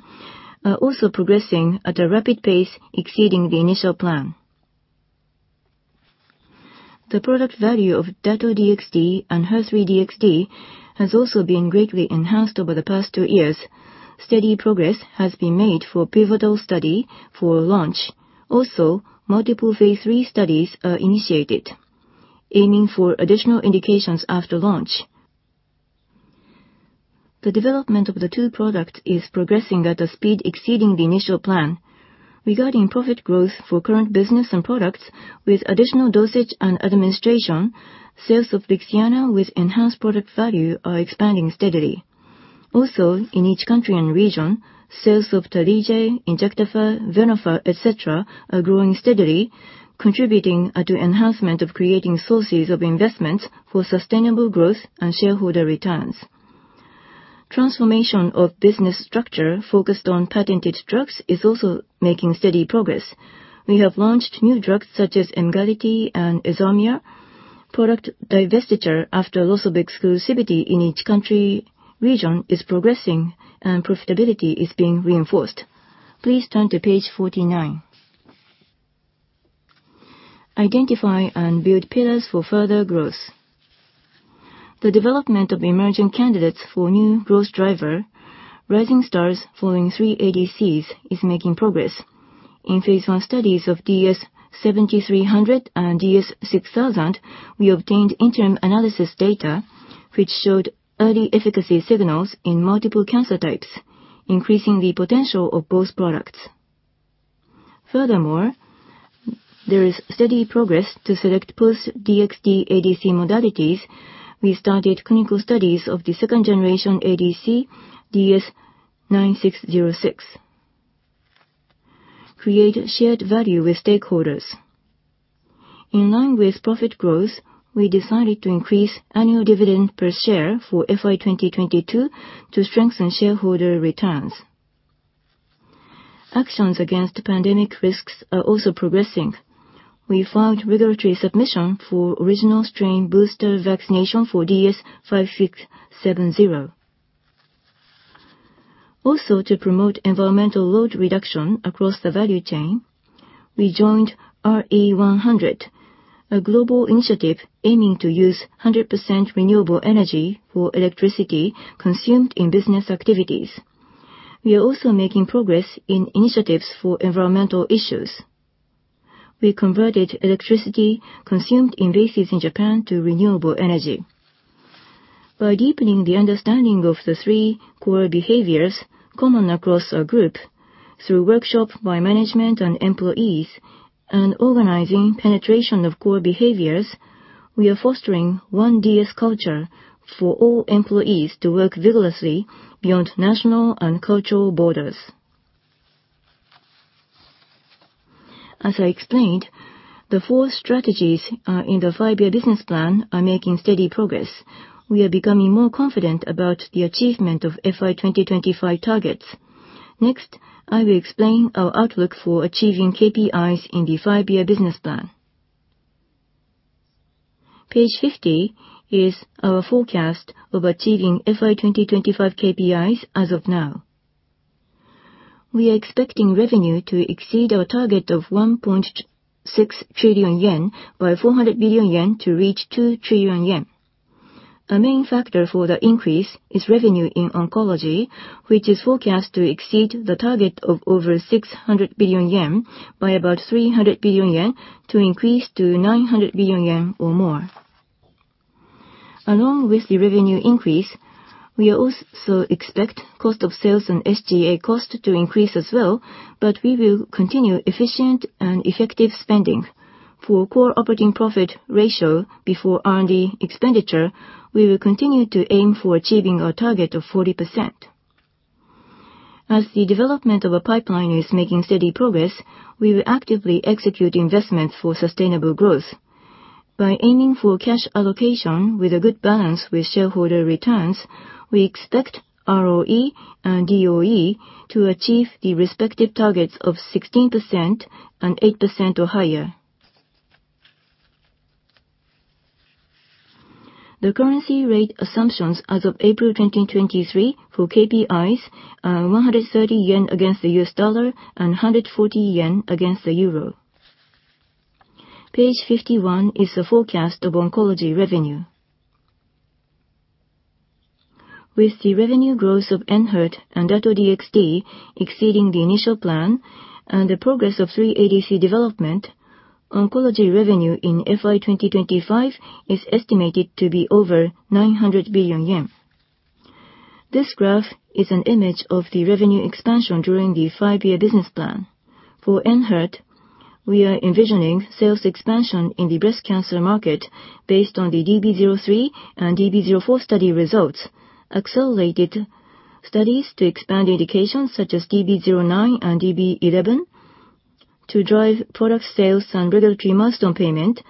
are also progressing at a rapid pace exceeding the initial plan. The product value of Dato-DXd and HER3-DXd has also been greatly enhanced over the past 2 years. Steady progress has been made for pivotal study for launch. Multiple Phase III studies are initiated aiming for additional indications after launch. The development of the 2 product is progressing at a speed exceeding the initial plan. Regarding profit growth for current business and products with additional dosage and administration, sales of LIXIANA with enhanced product value are expanding steadily. In each country and region, sales of Tarlige, INJECTAFER, Venofer, et cetera, are growing steadily, contributing to enhancement of creating sources of investments for sustainable growth and shareholder returns. Transformation of business structure focused on patented drugs is also making steady progress. We have launched new drugs such as Engality and EZHARMIA. Product divestiture after loss of exclusivity in each country region is progressing, and profitability is being reinforced. Please turn to page 49. Identify and build pillars for further growth. The development of emerging candidates for new growth driver, Rising Stars following three ADCs, is making progress. In Phase I studies of DS-7300 and DS-6000, we obtained interim analysis data which showed early efficacy signals in multiple cancer types, increasing the potential of both products. There is steady progress to select post-DXd ADC modalities. We started clinical studies of the second generation ADC DS-9606. Create shared value with stakeholders. In line with profit growth, we decided to increase annual dividend per share for FY 2022 to strengthen shareholder returns. Actions against pandemic risks are also progressing. We filed regulatory submission for original strain booster vaccination for DS-5670. To promote environmental load reduction across the value chain, we joined RE100, a global initiative aiming to use 100% renewable energy for electricity consumed in business activities. We are also making progress in initiatives for environmental issues. We converted electricity consumed in bases in Japan to renewable energy. By deepening the understanding of the three core behaviors common across our group through workshop by management and employees and organizing penetration of core behaviors, we are fostering One DS Culture for all employees to work vigorously beyond national and cultural borders. As I explained, the four strategies in the five-year business plan are making steady progress. We are becoming more confident about the achievement of FY 2025 targets. I will explain our outlook for achieving KPIs in the five-year business plan. Page 50 is our forecast of achieving FY 2025 KPIs as of now. We are expecting revenue to exceed our target of 1.6 trillion yen by 400 billion yen to reach 2 trillion yen. A main factor for the increase is revenue in oncology, which is forecast to exceed the target of over 600 billion yen by about 300 billion yen to increase to 900 billion yen or more. Along with the revenue increase, we also expect cost of sales and SG&A cost to increase as well, but we will continue efficient and effective spending. For core operating profit ratio before R&D expenditure, we will continue to aim for achieving our target of 40%. As the development of a pipeline is making steady progress, we will actively execute investments for sustainable growth. By aiming for cash allocation with a good balance with shareholder returns, we expect ROE and DOE to achieve the respective targets of 16% and 8% or higher. The currency rate assumptions as of April 2023 for KPIs are 130 yen against the US dollar and 140 yen against the euro. Page 51 is the forecast of oncology revenue. With the revenue growth of ENHERTU and Dato-DXd exceeding the initial plan and the progress of three ADC development, oncology revenue in FY 2025 is estimated to be over 900 billion yen. This graph is an image of the revenue expansion during the five-year business plan. For ENHERTU, we are envisioning sales expansion in the breast cancer market based on the DB-03 and DB-04 study results, accelerated studies to expand indications such as DB-09 and DB-11 to drive product sales and regulatory milestone payment,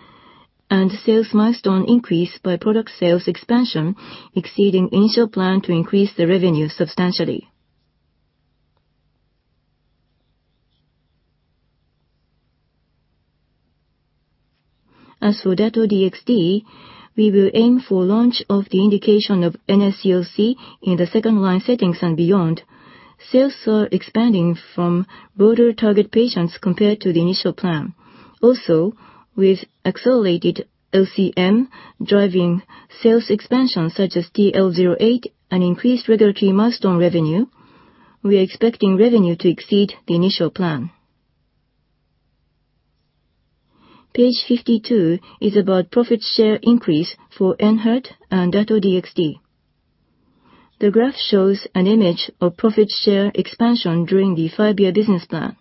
and sales milestone increase by product sales expansion exceeding initial plan to increase the revenue substantially. As for Dato-DXd, we will aim for launch of the indication of NSCLC in the second line settings and beyond. Sales are expanding from broader target patients compared to the initial plan. With accelerated LCM driving sales expansion such as DL 08 and increased regulatory milestone revenue, we are expecting revenue to exceed the initial plan. Page 52 is about profit share increase for ENHERTU and Dato-DXd. The graph shows an image of profit share expansion during the 5-year business plan.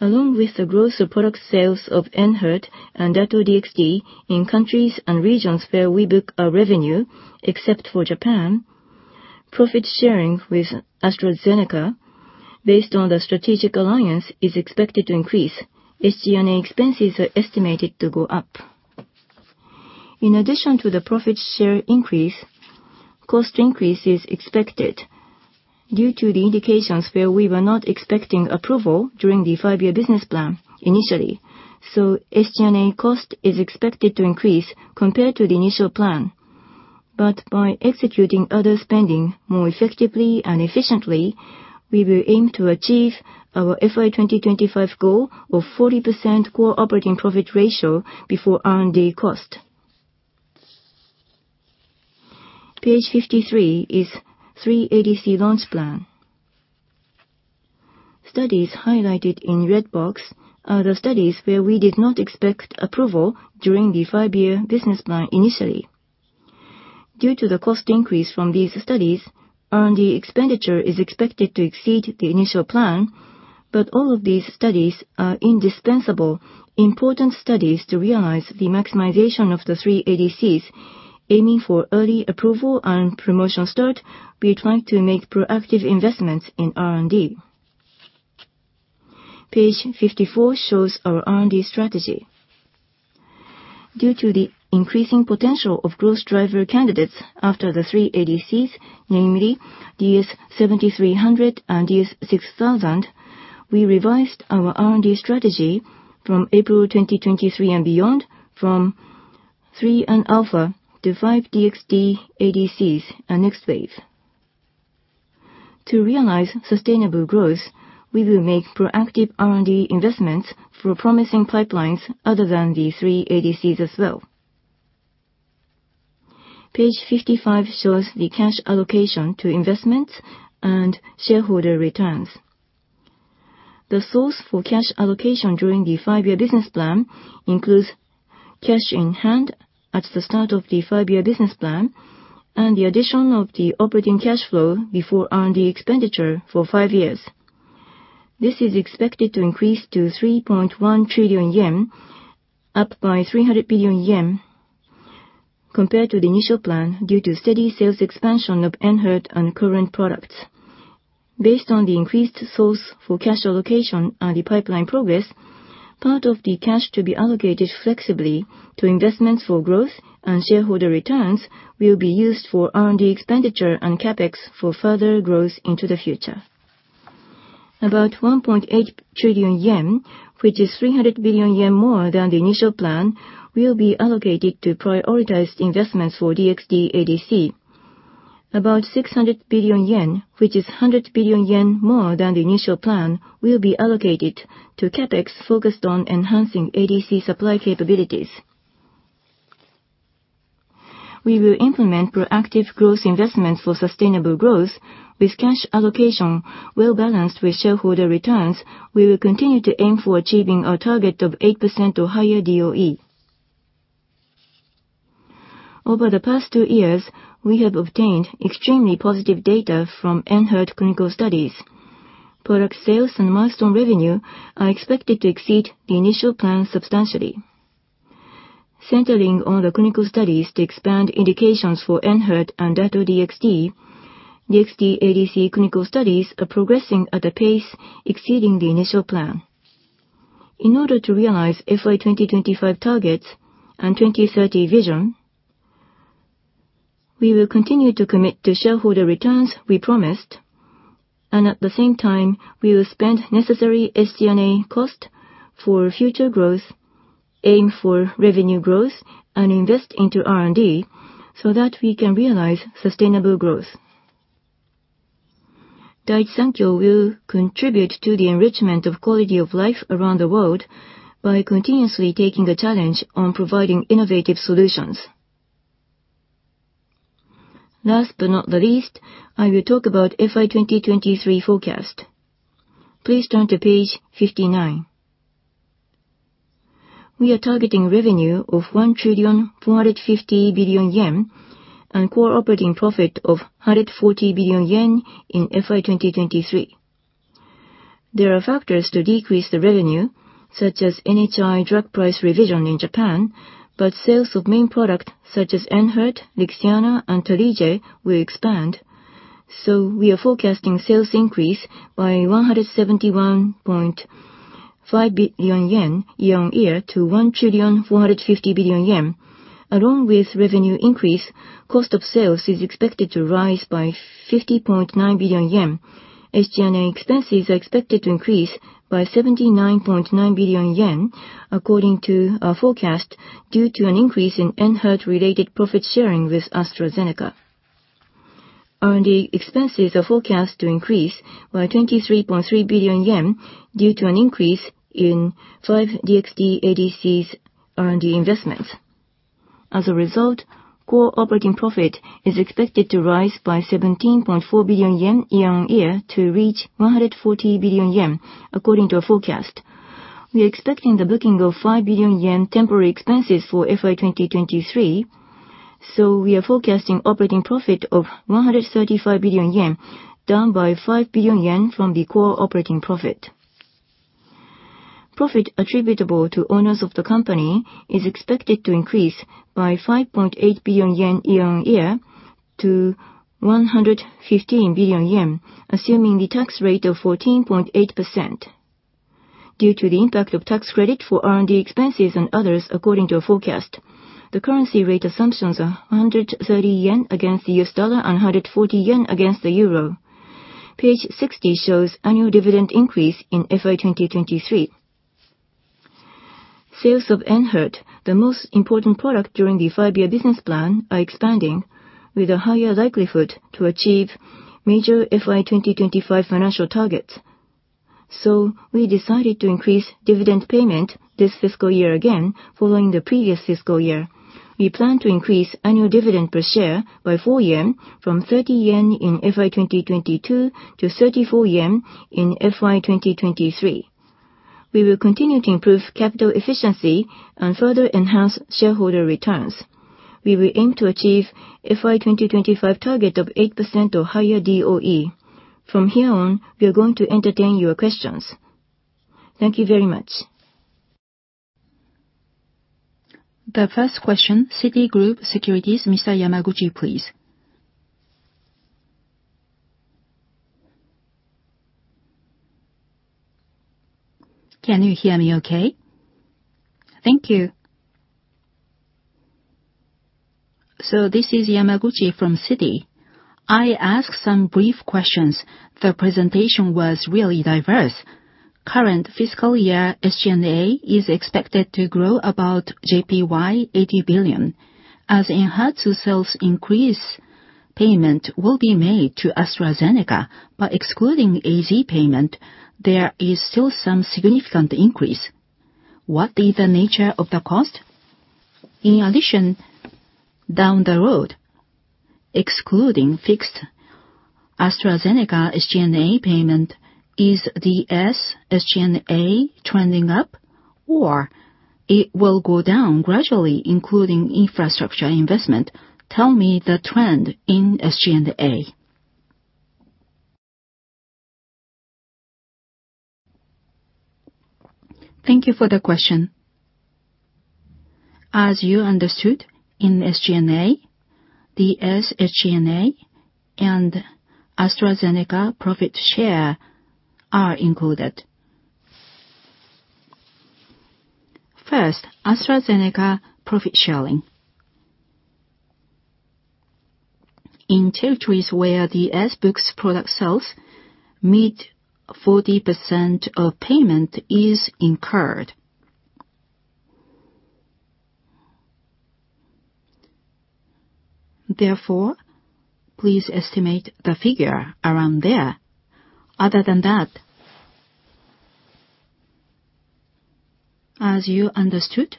Along with the growth of product sales of ENHERTU and Dato-DXd in countries and regions where we book our revenue, except for Japan, profit sharing with AstraZeneca based on the strategic alliance is expected to increase. SG&A expenses are estimated to go up. In addition to the profit share increase, cost increase is expected due to the indications where we were not expecting approval during the five-year business plan initially. SG&A cost is expected to increase compared to the initial plan. By executing other spending more effectively and efficiently, we will aim to achieve our FY 2025 goal of 40% core operating profit ratio before R&D expense. Page 53 is 3 ADC launch plan. Studies highlighted in red box are the studies where we did not expect approval during the five-year business plan initially. Due to the cost increase from these studies, R&D expenditure is expected to exceed the initial plan. All of these studies are indispensable important studies to realize the maximization of the 3 ADCs. Aiming for early approval and promotion start, we try to make proactive investments in R&D. Page 54 shows our R&D strategy. Due to the increasing potential of growth driver candidates after the 3 ADCs, namely DS-7300 and DS-6000, we revised our R&D strategy from April 2023 and beyond from three and Alpha to 5 DXd ADCs and next waves. To realize sustainable growth, we will make proactive R&D investments for promising pipelines other than the 3 ADCs as well. Page 55 shows the cash allocation to investments and shareholder returns. The source for cash allocation during the 5-year business plan includes cash in hand at the start of the 5-year business plan and the addition of the operating cash flow before R&D expenditure for 5 years. This is expected to increase to 3.1 trillion yen, up by 300 billion yen compared to the initial plan due to steady sales expansion of ENHERTU and current products. Based on the increased source for cash allocation and the pipeline progress, part of the cash to be allocated flexibly to investments for growth and shareholder returns will be used for R&D expenditure and CapEx for further growth into the future. About 1.8 trillion yen, which is 300 billion yen more than the initial plan, will be allocated to prioritized investments for DXd ADC. About 600 billion yen, which is 100 billion yen more than the initial plan, will be allocated to CapEx focused on enhancing ADC supply capabilities. We will implement proactive growth investments for sustainable growth. With cash allocation well-balanced with shareholder returns, we will continue to aim for achieving our target of 8% or higher DOE. Over the past two years, we have obtained extremely positive data from ENHERTU clinical studies. Product sales and milestone revenue are expected to exceed the initial plan substantially. Centering on the clinical studies to expand indications for ENHERTU and Dato-DXd, DXd ADC clinical studies are progressing at a pace exceeding the initial plan. In order to realize FY 2025 targets and 2030 vision, we will continue to commit to shareholder returns we promised, and at the same time, we will spend necessary SG&A cost for future growth, aim for revenue growth, and invest into R&D so that we can realize sustainable growth. Daiichi Sankyo will contribute to the enrichment of quality of life around the world by continuously taking a challenge on providing innovative solutions. Last but not the least, I will talk about FY 2023 forecast. Please turn to page 59. We are targeting revenue of 1,450 billion yen and core operating profit of 140 billion yen in FY 2023. There are factors to decrease the revenue, such as NHI drug price revision in Japan. Sales of main product such as ENHERTU, LIXIANA, and Tarlige will expand. We are forecasting sales increase by 171.5 billion yen year-on-year to 1,450 billion yen. Along with revenue increase, cost of sales is expected to rise by 50.9 billion yen. SG&A expenses are expected to increase by 79.9 billion yen according to our forecast, due to an increase in ENHERTU-related profit sharing with AstraZeneca. R&D expenses are forecast to increase by 23.3 billion yen due to an increase in 5 DXd ADCs R&D investments. As a result, core operating profit is expected to rise by 17.4 billion yen year-on-year to reach 140 billion yen according to our forecast. We are expecting the booking of 5 billion yen temporary expenses for FY 2023, so we are forecasting operating profit of 135 billion yen, down by 5 billion yen from the core operating profit. Profit attributable to owners of the company is expected to increase by 5.8 billion yen year-on-year to 115 billion yen, assuming the tax rate of 14.8%. Due to the impact of tax credit for R&D expenses and others according to our forecast, the currency rate assumptions are 130 yen against the US dollar and 140 yen against the euro. Page 60 shows annual dividend increase in FY 2023. Sales of ENHERTU, the most important product during the five-year business plan, are expanding with a higher likelihood to achieve major FY 2025 financial targets. We decided to increase dividend payment this fiscal year again following the previous fiscal year. We plan to increase annual dividend per share by 4 yen from 30 yen in FY 2022 to 34 yen in FY 2023. We will continue to improve capital efficiency and further enhance shareholder returns. We will aim to achieve FY 2025 target of 8% or higher DOE. From here on, we are going to entertain your questions. Thank you very much. The first question, Citigroup Securities, Mr. Yamaguchi, please. Can you hear me okay? Thank you. This is Yamaguchi from Citi. I ask some brief questions. The presentation was really diverse. Current fiscal year SG&A is expected to grow about JPY 80 billion. As ENHERTU sales increase, payment will be made to AstraZeneca. By excluding AZ payment, there is still some significant increase. What is the nature of the cost? In addition, down the road, excluding fixed AstraZeneca SG&A payment, is the SG&A trending up or it will go down gradually, including infrastructure investment? Tell me the trend in SG&A. Thank you for the question. As you understood, in SG&A, the SG&A and AstraZeneca profit share are included. First, AstraZeneca profit sharing. In territories where the S-books product sales meet 40% of payment is incurred. Therefore, please estimate the figure around there. Other than that, as you understood,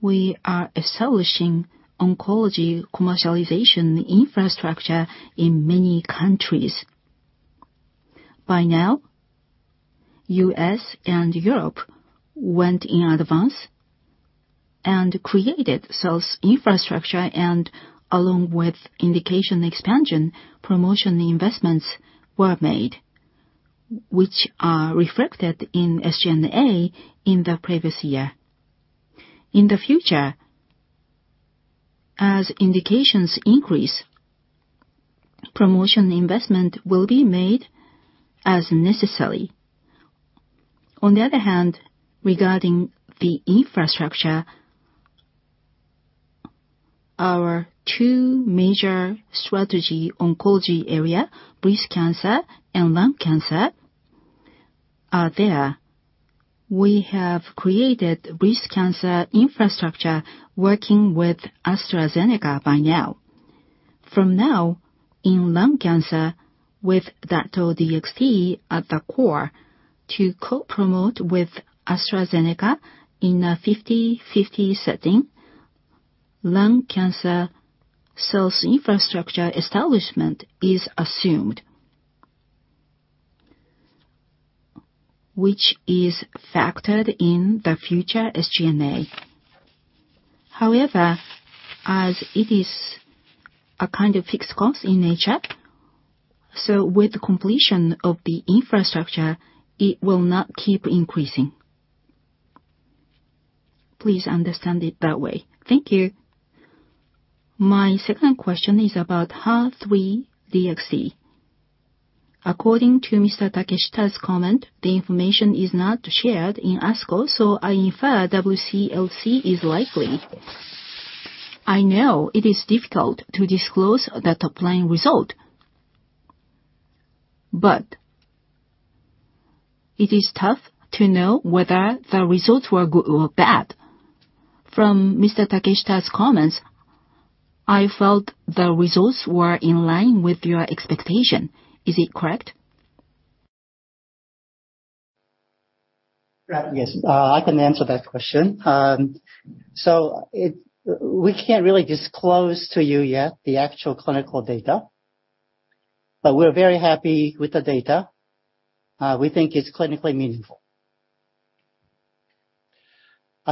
we are establishing oncology commercialization infrastructure in many countries. By now, U.S. and Europe went in advance and created sales infrastructure and along with indication expansion, promotion investments were made, which are reflected in SG&A in the previous year. In the future, as indications increase, promotion investment will be made as necessary. On the other hand, regarding the infrastructure, our two major strategy oncology area, breast cancer and lung cancer are there. We have created breast cancer infrastructure working with AstraZeneca by now. From now, in lung cancer with Dato-DXd at the core to co-promote with AstraZeneca in a 50/50 setting, lung cancer sales infrastructure establishment is assumed, which is factored in the future SG&A. As it is a kind of fixed cost in nature, with completion of the infrastructure, it will not keep increasing. Please understand it that way. Thank you. My second question is about HER3-DXd. According to Mr. Takeshita's comment, the information is not shared in ASCO, I infer WCLC is likely. I know it is difficult to disclose the top-line result, it is tough to know whether the results were good or bad. From Mr. Takeshita's comments, I felt the results were in line with your expectation. Is it correct? Yes, I can answer that question. We can't really disclose to you yet the actual clinical data, but we're very happy with the data. We think it's clinically meaningful.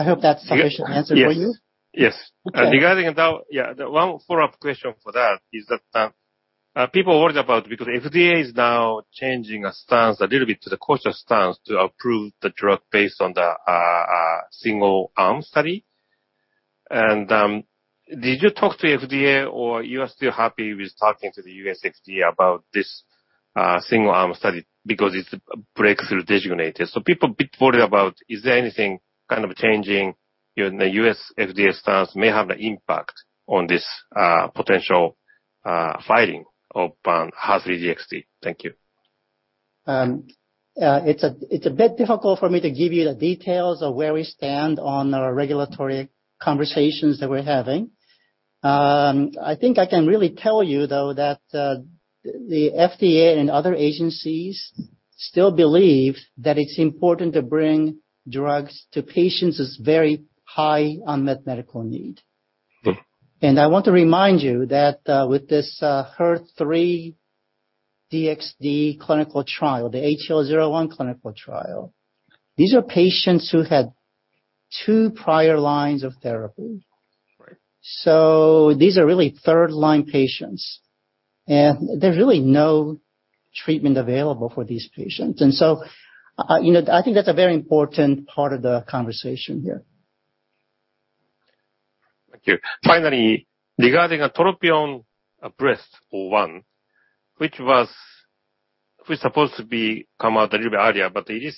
I hope that's a sufficient answer for you. Yes. Yes. Okay. Regarding that, yeah, the one follow-up question for that is that people worried about because FDA is now changing a stance a little bit to the cautious stance to approve the drug based on the single arm study. Did you talk to FDA or you are still happy with talking to the FDA about this single arm study because it's a breakthrough designated? People bit worried about is there anything kind of changing in the FDA stance may have an impact on this potential filing of HER3-DXd? Thank you. It's a bit difficult for me to give you the details of where we stand on our regulatory conversations that we're having. I think I can really tell you though that the FDA and other agencies still believe that it's important to bring drugs to patients is very high unmet medical need. I want to remind you that with this HER3 DXd clinical trial, the HL01 clinical trial, these are patients who had 2 prior lines of therapy. Right. These are really third line patients, and there's really no treatment available for these patients. You know, I think that's a very important part of the conversation here. Thank you. Finally, regarding TROPION-Breast01, Which supposed to be come out a little bit earlier, but it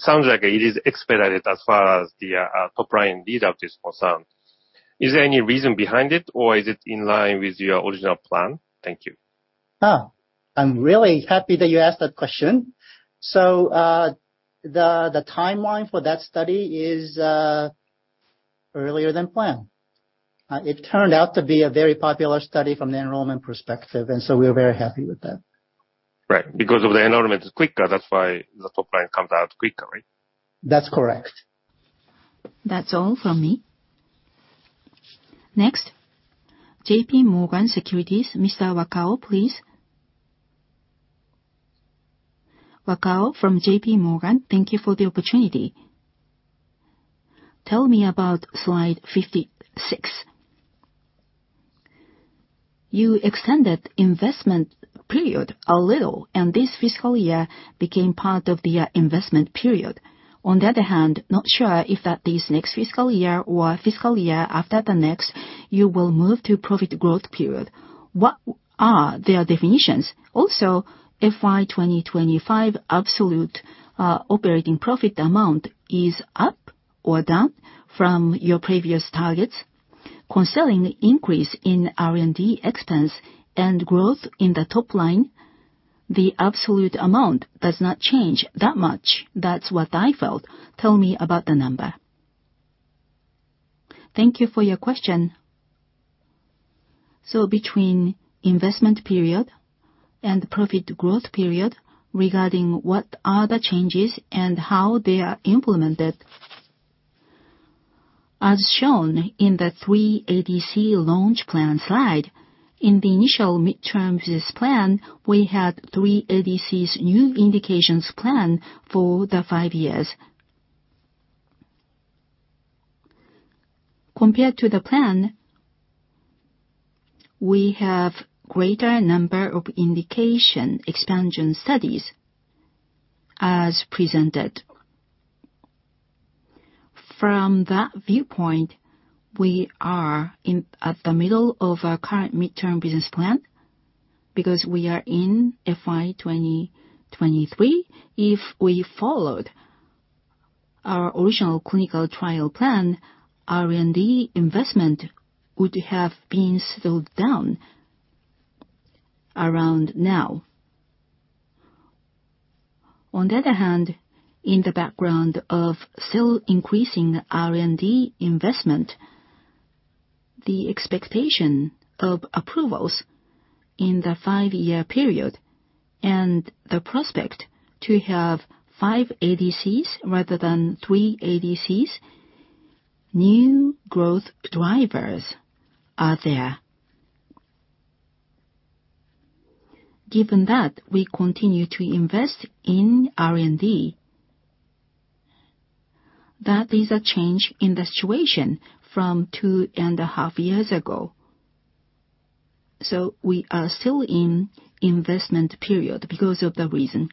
sounds like it is expedited as far as the top line data is concerned. Is there any reason behind it or is it in line with your original plan? Thank you. I'm really happy that you asked that question. The timeline for that study is earlier than planned. It turned out to be a very popular study from the enrollment perspective, we're very happy with that. Right. Because of the enrollment is quicker, that's why the top line comes out quicker, right? That's correct. JPMorgan Securities, Mr. Wakao, please. Wakao from JPMorgan, thank you for the opportunity. Tell me about slide 56. You extended investment period a little, and this fiscal year became part of the investment period. Not sure if at this next fiscal year or fiscal year after the next you will move to profit growth period. What are their definitions? FY 2025 absolute operating profit amount is up or down from your previous targets. Concerning increase in R&D expense and growth in the top line, the absolute amount does not change that much. That's what I felt. Tell me about the number. Thank you for your question. Between investment period and profit growth period, regarding what are the changes and how they are implemented. As shown in the 3 ADC launch plan slide, in the initial mid-term business plan, we had 3 ADCs new indications plan for the 5 years. Compared to the plan, we have greater number of indication expansion studies as presented. From that viewpoint, we are in at the middle of our current mid-term business plan because we are in FY 2023. If we followed our original clinical trial plan, R&D investment would have been slowed down around now. On the other hand, in the background of still increasing R&D investment, the expectation of approvals in the 5-year period and the prospect to have 5 ADCs rather than 3 ADCs, new growth drivers are there. Given that, we continue to invest in R&D. That is a change in the situation from 2.5 years ago. We are still in investment period because of the reason.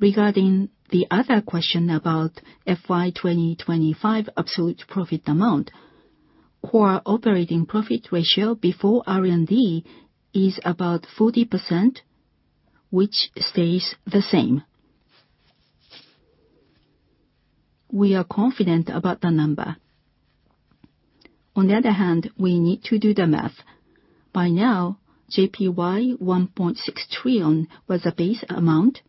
Regarding the other question about FY 2025 absolute profit amount, core operating profit ratio before R&D is about 40%, which stays the same. We are confident about the number. On the other hand, we need to do the math. By now, JPY 1.6 trillion was a base amount,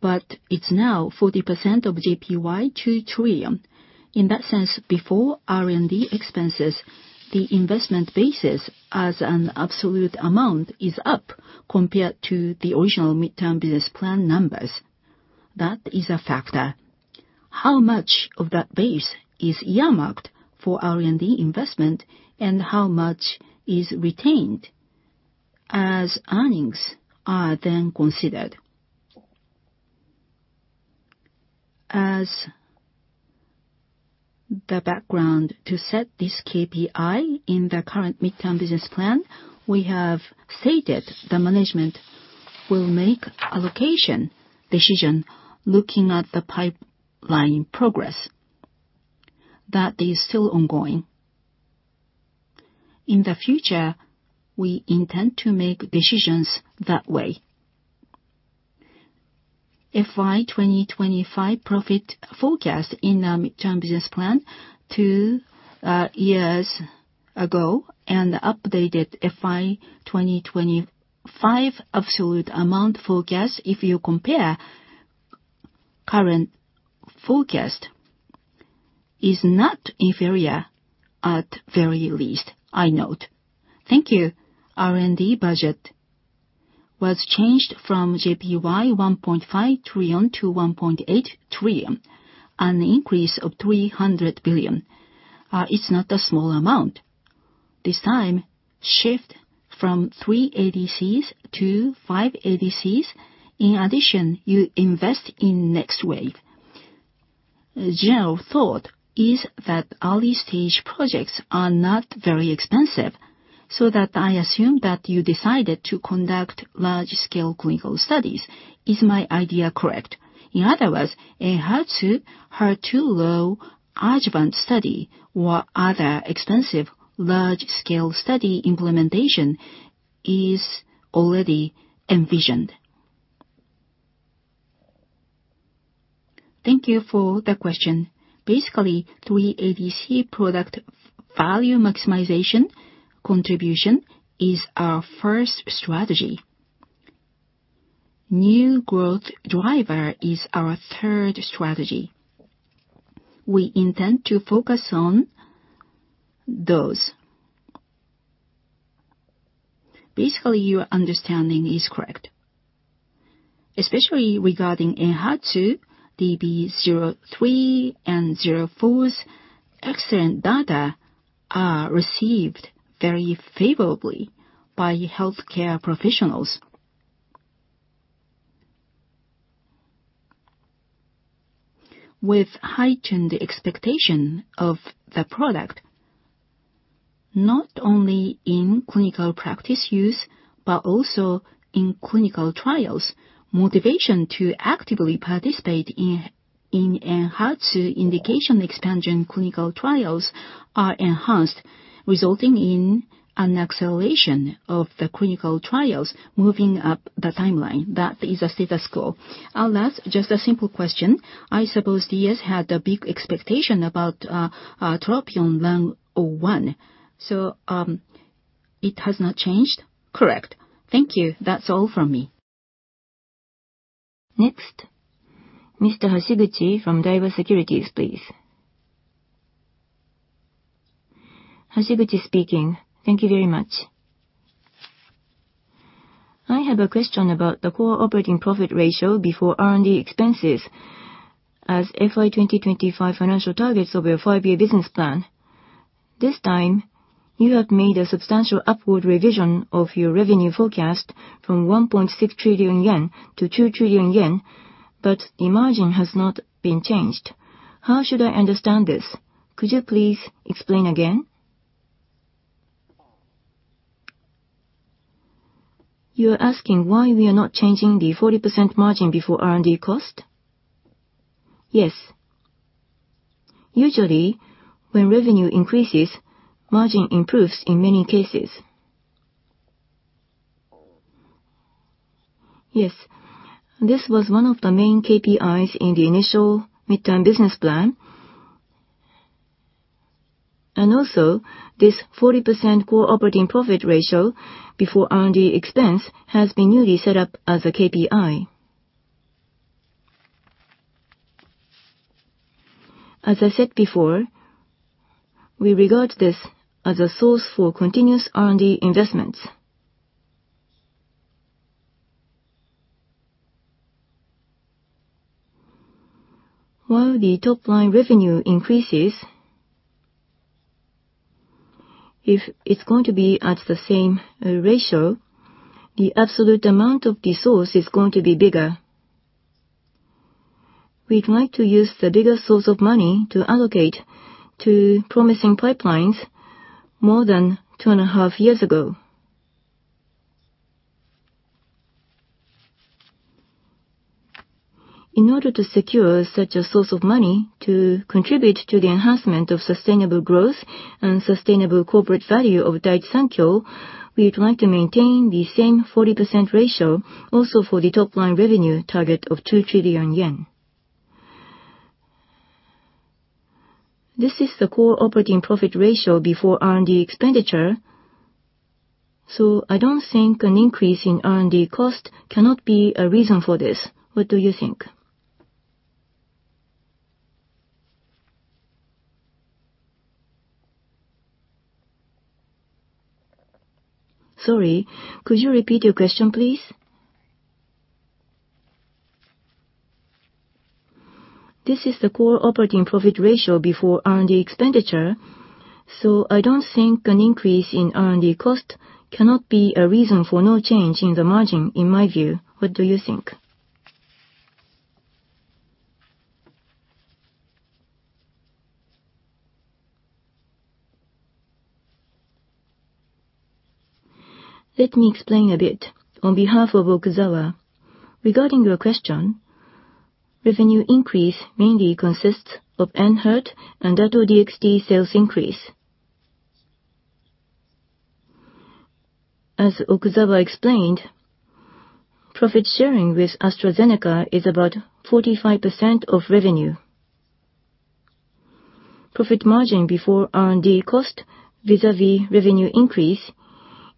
but it's now 40% of JPY 2 trillion. In that sense, before R&D expenses, the investment basis as an absolute amount is up compared to the original mid-term business plan numbers. That is a factor. How much of that base is earmarked for R&D investment and how much is retained as earnings are then considered. As the background to set this KPI in the current mid-term business plan, we have stated the management will make allocation decision looking at the pipeline progress. That is still ongoing. In the future, we intend to make decisions that way. FY 2025 profit forecast in the mid-term business plan 2 years ago and updated FY 2025 absolute amount forecast, if you compare current forecast is not inferior at very least, I note. Thank you. R&D budget was changed from JPY 1.5 trillion to 1.8 trillion, an increase of 300 billion. It's not a small amount. This time, shift from 3 ADCs to 5 ADCs. In addition, you invest in next wave. A general thought is that early-stage projects are not very expensive, so that I assume that you decided to conduct large-scale clinical studies. Is my idea correct? In other words, Enhertu HER2 low adjuvant study or other extensive large-scale study implementation is already envisioned. Thank you for the question. Basically, 3 ADC product v-value maximization contribution is our first strategy. New growth driver is our third strategy. We intend to focus on those. Basically, your understanding is correct. Especially regarding ENHERTU, DB-03 and DB-04's excellent data are received very favorably by healthcare professionals. With heightened expectation of the product, not only in clinical practice use, but also in clinical trials, motivation to actively participate in ENHERTU indication expansion clinical trials are enhanced, resulting in an acceleration of the clinical trials moving up the timeline. That is a stethoscope. Last, just a simple question. I suppose DS had a big expectation about TROPION-Lung01. It has not changed? Correct. Thank you. That's all from me. Next, Mr. Hashiguchi from Daiwa Securities, please. Thank you very much. I have a question about the Core Operating Profit Ratio before R&D Expenses as FY 2025 financial targets of your five-year business plan. This time, you have made a substantial upward revision of your revenue forecast from 1.6 trillion yen to 2 trillion yen, but the margin has not been changed. How should I understand this? Could you please explain again? You are asking why we are not changing the 40% margin before R&D cost? Yes. Usually, when revenue increases, margin improves in many cases. Yes. This was one of the main KPIs in the initial midterm business plan. This 40% core operating profit ratio before R&D expense has been newly set up as a KPI. As I said before, we regard this as a source for continuous R&D investments. While the top-line revenue increases, if it's going to be at the same ratio, the absolute amount of the source is going to be bigger. We'd like to use the bigger source of money to allocate to promising pipelines more than 2 and a half years ago. In order to secure such a source of money to contribute to the enhancement of sustainable growth and sustainable corporate value of Daiichi Sankyo, we would like to maintain the same 40% ratio also for the top-line revenue target of 2 trillion yen. This is the core operating profit ratio before R&D expense. I don't think an increase in R&D cost cannot be a reason for this. What do you think? Sorry, could you repeat your question, please? This is the core operating profit ratio before R&D expense. I don't think an increase in R&D cost cannot be a reason for no change in the margin, in my view. What do you think? Let me explain a bit on behalf of Okuzawa. Regarding your question, revenue increase mainly consists of ENHERTU and Dato-DXd sales increase. As Okuzawa explained, profit sharing with AstraZeneca is about 45% of revenue. Profit margin before R&D cost vis-à-vis revenue increase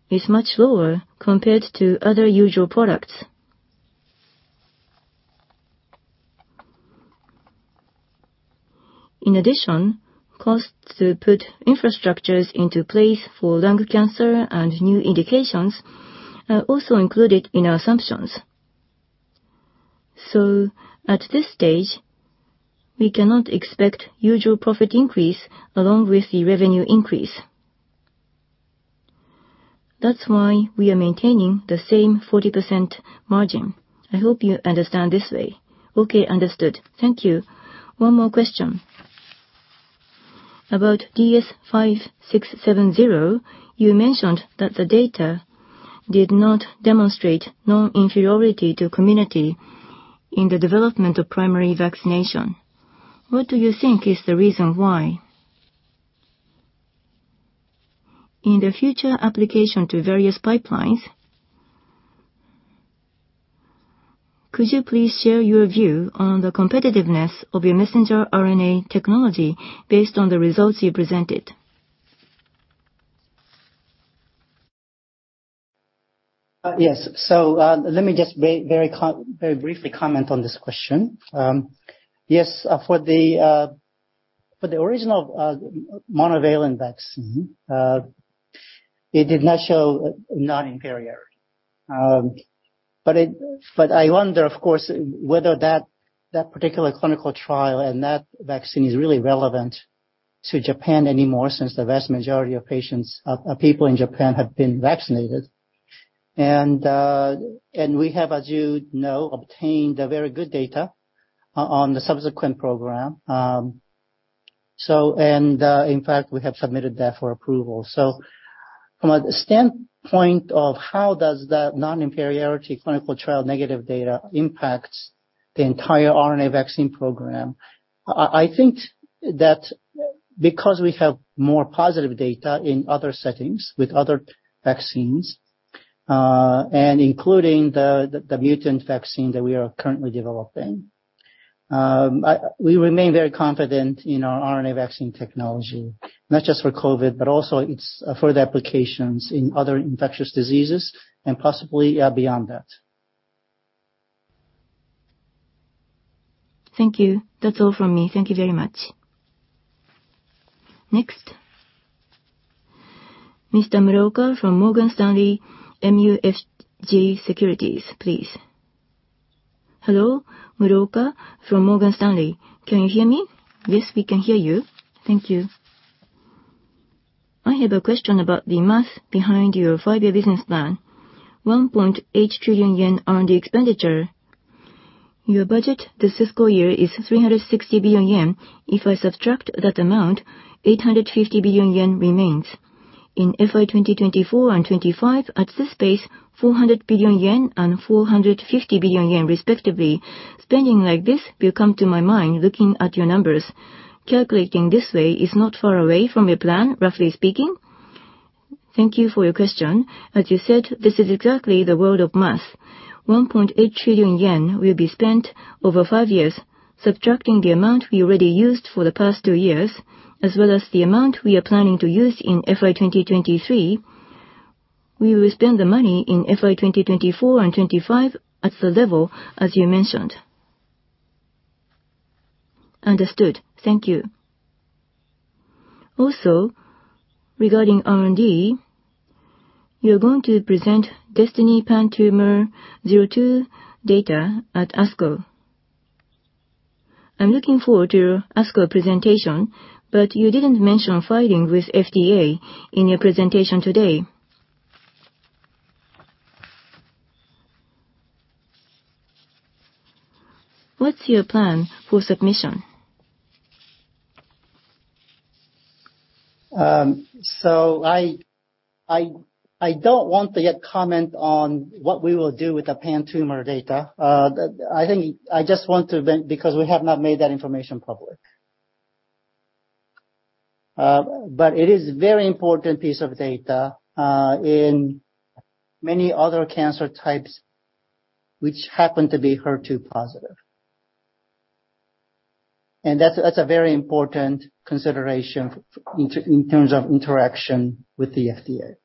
is much lower compared to other usual products. In addition, costs to put infrastructures into place for lung cancer and new indications are also included in our assumptions. At this stage, we cannot expect usual profit increase along with the revenue increase. That's why we are maintaining the same 40% margin. I hope you understand this way. Okay, understood. Thank you. One more question. About DS-5670, you mentioned that the data did not demonstrate non-inferiority to community in the development of primary vaccination. What do you think is the reason why? In the future application to various pipelines, could you please share your view on the competitiveness of your messenger RNA technology based on the results you presented? Yes. Let me just very briefly comment on this question. Yes, for the for the original monovalent vaccine, it did not show non-inferior. I wonder, of course, whether that particular clinical trial and that vaccine is really relevant to Japan anymore, since the vast majority of patients, of people in Japan have been vaccinated. We have, as you know, obtained a very good data on the subsequent program. In fact, we have submitted that for approval. From a standpoint of how does that non-inferiority clinical trial negative data impact the entire mRNA vaccine program, I think that because we have more positive data in other settings with other vaccines, and including the mutant vaccine that we are currently developing. We remain very confident in our mRNA vaccine technology. Not just for COVID, but also its further applications in other infectious diseases and possibly beyond that. Thank you. That's all from me. Thank you very much. Next, Mr. Muroka from Morgan Stanley, MUFG Securities, please. Hello, Muroka from Morgan Stanley. Can you hear me? Yes, we can hear you. Thank you. I have a question about the math behind your five-year business plan. 1.8 trillion yen R&D expenditure. Your budget this fiscal year is 360 billion yen. If I subtract that amount, 850 billion yen remains. In FY 2024 and 2025 at this pace, 400 billion yen and 450 billion yen respectively. Spending like this will come to my mind looking at your numbers. Calculating this way is not far away from your plan, roughly speaking. Thank you for your question. As you said, this is exactly the world of math. 1.8 trillion yen will be spent over 5 years, subtracting the amount we already used for the past 2 years, as well as the amount we are planning to use in FY 2023. We will spend the money in FY 2024 and 2025 at the level as you mentioned. Understood. Thank you. Regarding R&D, you're going to present DESTINY-PanTumor02 data at ASCO. I'm looking forward to your ASCO presentation, but you didn't mention filing with FDA in your presentation today. What's your plan for submission? I don't want to yet comment on what we will do with the pan-tumor data. I think I just want to because we have not made that information public. It is very important piece of data in many other cancer types which happen to be HER2 positive. That's a very important consideration in terms of interaction with the FDA.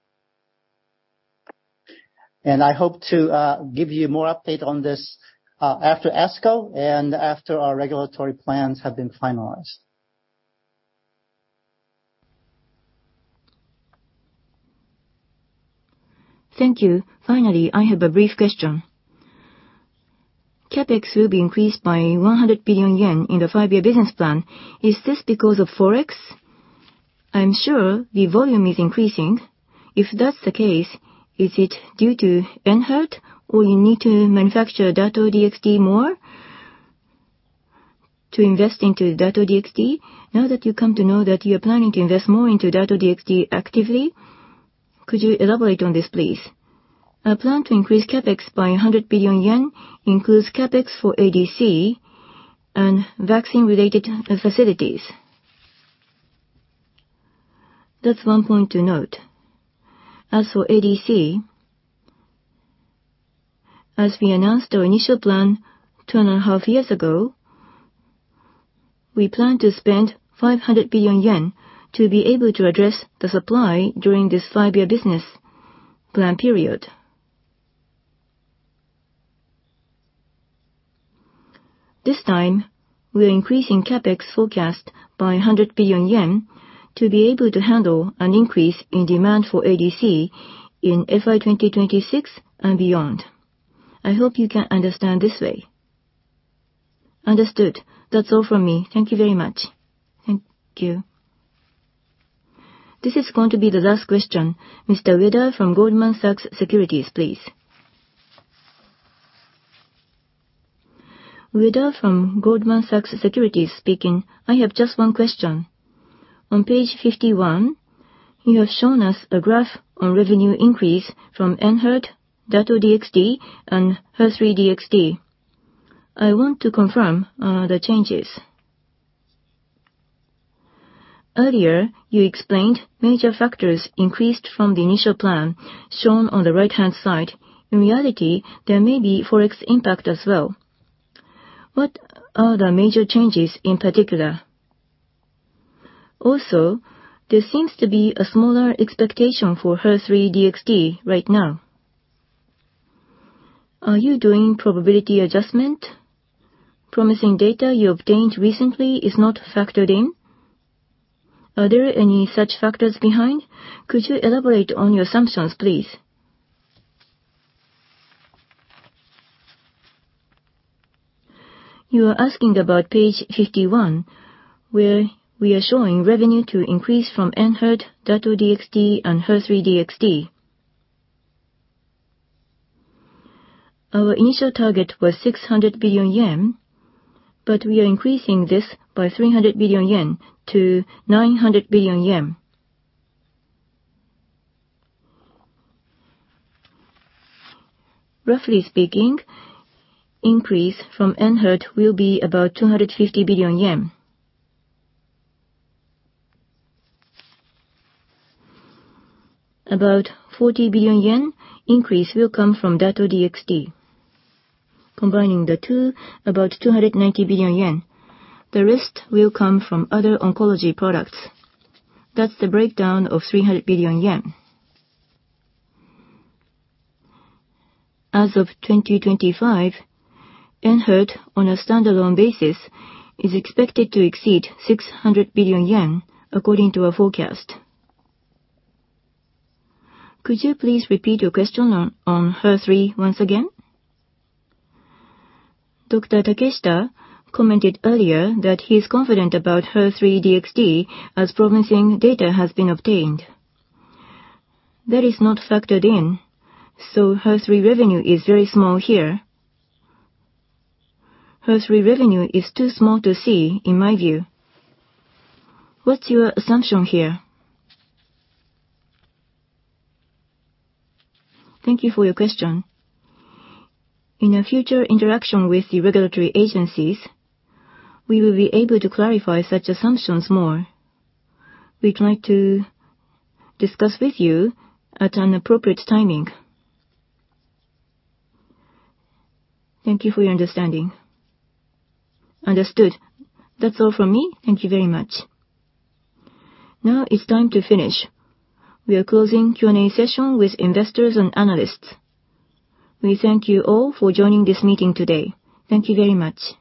I hope to give you more update on this after ASCO and after our regulatory plans have been finalized. Thank you. Finally, I have a brief question. CapEx will be increased by JPY 100 billion in the five-year business plan. Is this because of Forex? I'm sure the volume is increasing. If that's the case, is it due to ENHERTU, or you need to manufacture Dato-DXd more to invest into Dato-DXd? Now that you come to know that you're planning to invest more into Dato-DXd actively, could you elaborate on this, please? Our plan to increase CapEx by 100 billion yen includes CapEx for ADC and vaccine related facilities. That's one point to note. As for ADC, as we announced our initial plan two and a half years ago, we plan to spend 500 billion yen to be able to address the supply during this five-year business plan period. This time, we're increasing CapEx forecast by 100 billion yen to be able to handle an increase in demand for ADC in FY 2026 and beyond. I hope you can understand this way. Understood. That's all from me. Thank you very much. Thank you. This is going to be the last question. Mr. Ueda from Goldman Sachs Securities, please. Ueda from Goldman Sachs Securities speaking. I have just one question. On page 51, you have shown us a graph on revenue increase from ENHERTU, Dato-DXd, and HER3-DXd. I want to confirm the changes. Earlier, you explained major factors increased from the initial plan shown on the right-hand side. In reality, there may be ForEx impact as well. What are the major changes in particular? There seems to be a smaller expectation for HER3-DXd right now. Are you doing probability adjustment? Promising data you obtained recently is not factored in. Are there any such factors behind? Could you elaborate on your assumptions, please? You are asking about page 51, where we are showing revenue to increase from ENHERTU, Dato-DXd, and HER3-DXd. Our initial target was 600 billion yen, we are increasing this by 300 billion yen to 900 billion yen. Roughly speaking, increase from ENHERTU will be about 250 billion yen. About 40 billion yen increase will come from Dato-DXd. Combining the two, about 290 billion yen. The rest will come from other oncology products. That's the breakdown of 300 billion yen. As of 2025, ENHERTU on a standalone basis is expected to exceed 600 billion yen according to our forecast. Could you please repeat your question on HER3 once again? Dr. Takeshita commented earlier that he's confident about HER3-DXd as promising data has been obtained. That is not factored in, so HER3 revenue is very small here. HER3 revenue is too small to see, in my view. What's your assumption here? Thank you for your question. In our future interaction with the regulatory agencies, we will be able to clarify such assumptions more. We'd like to discuss with you at an appropriate timing. Thank you for your understanding. Understood. That's all from me. Thank you very much. Now it's time to finish. We are closing Q&A session with investors and analysts. We thank you all for joining this meeting today. Thank you very much.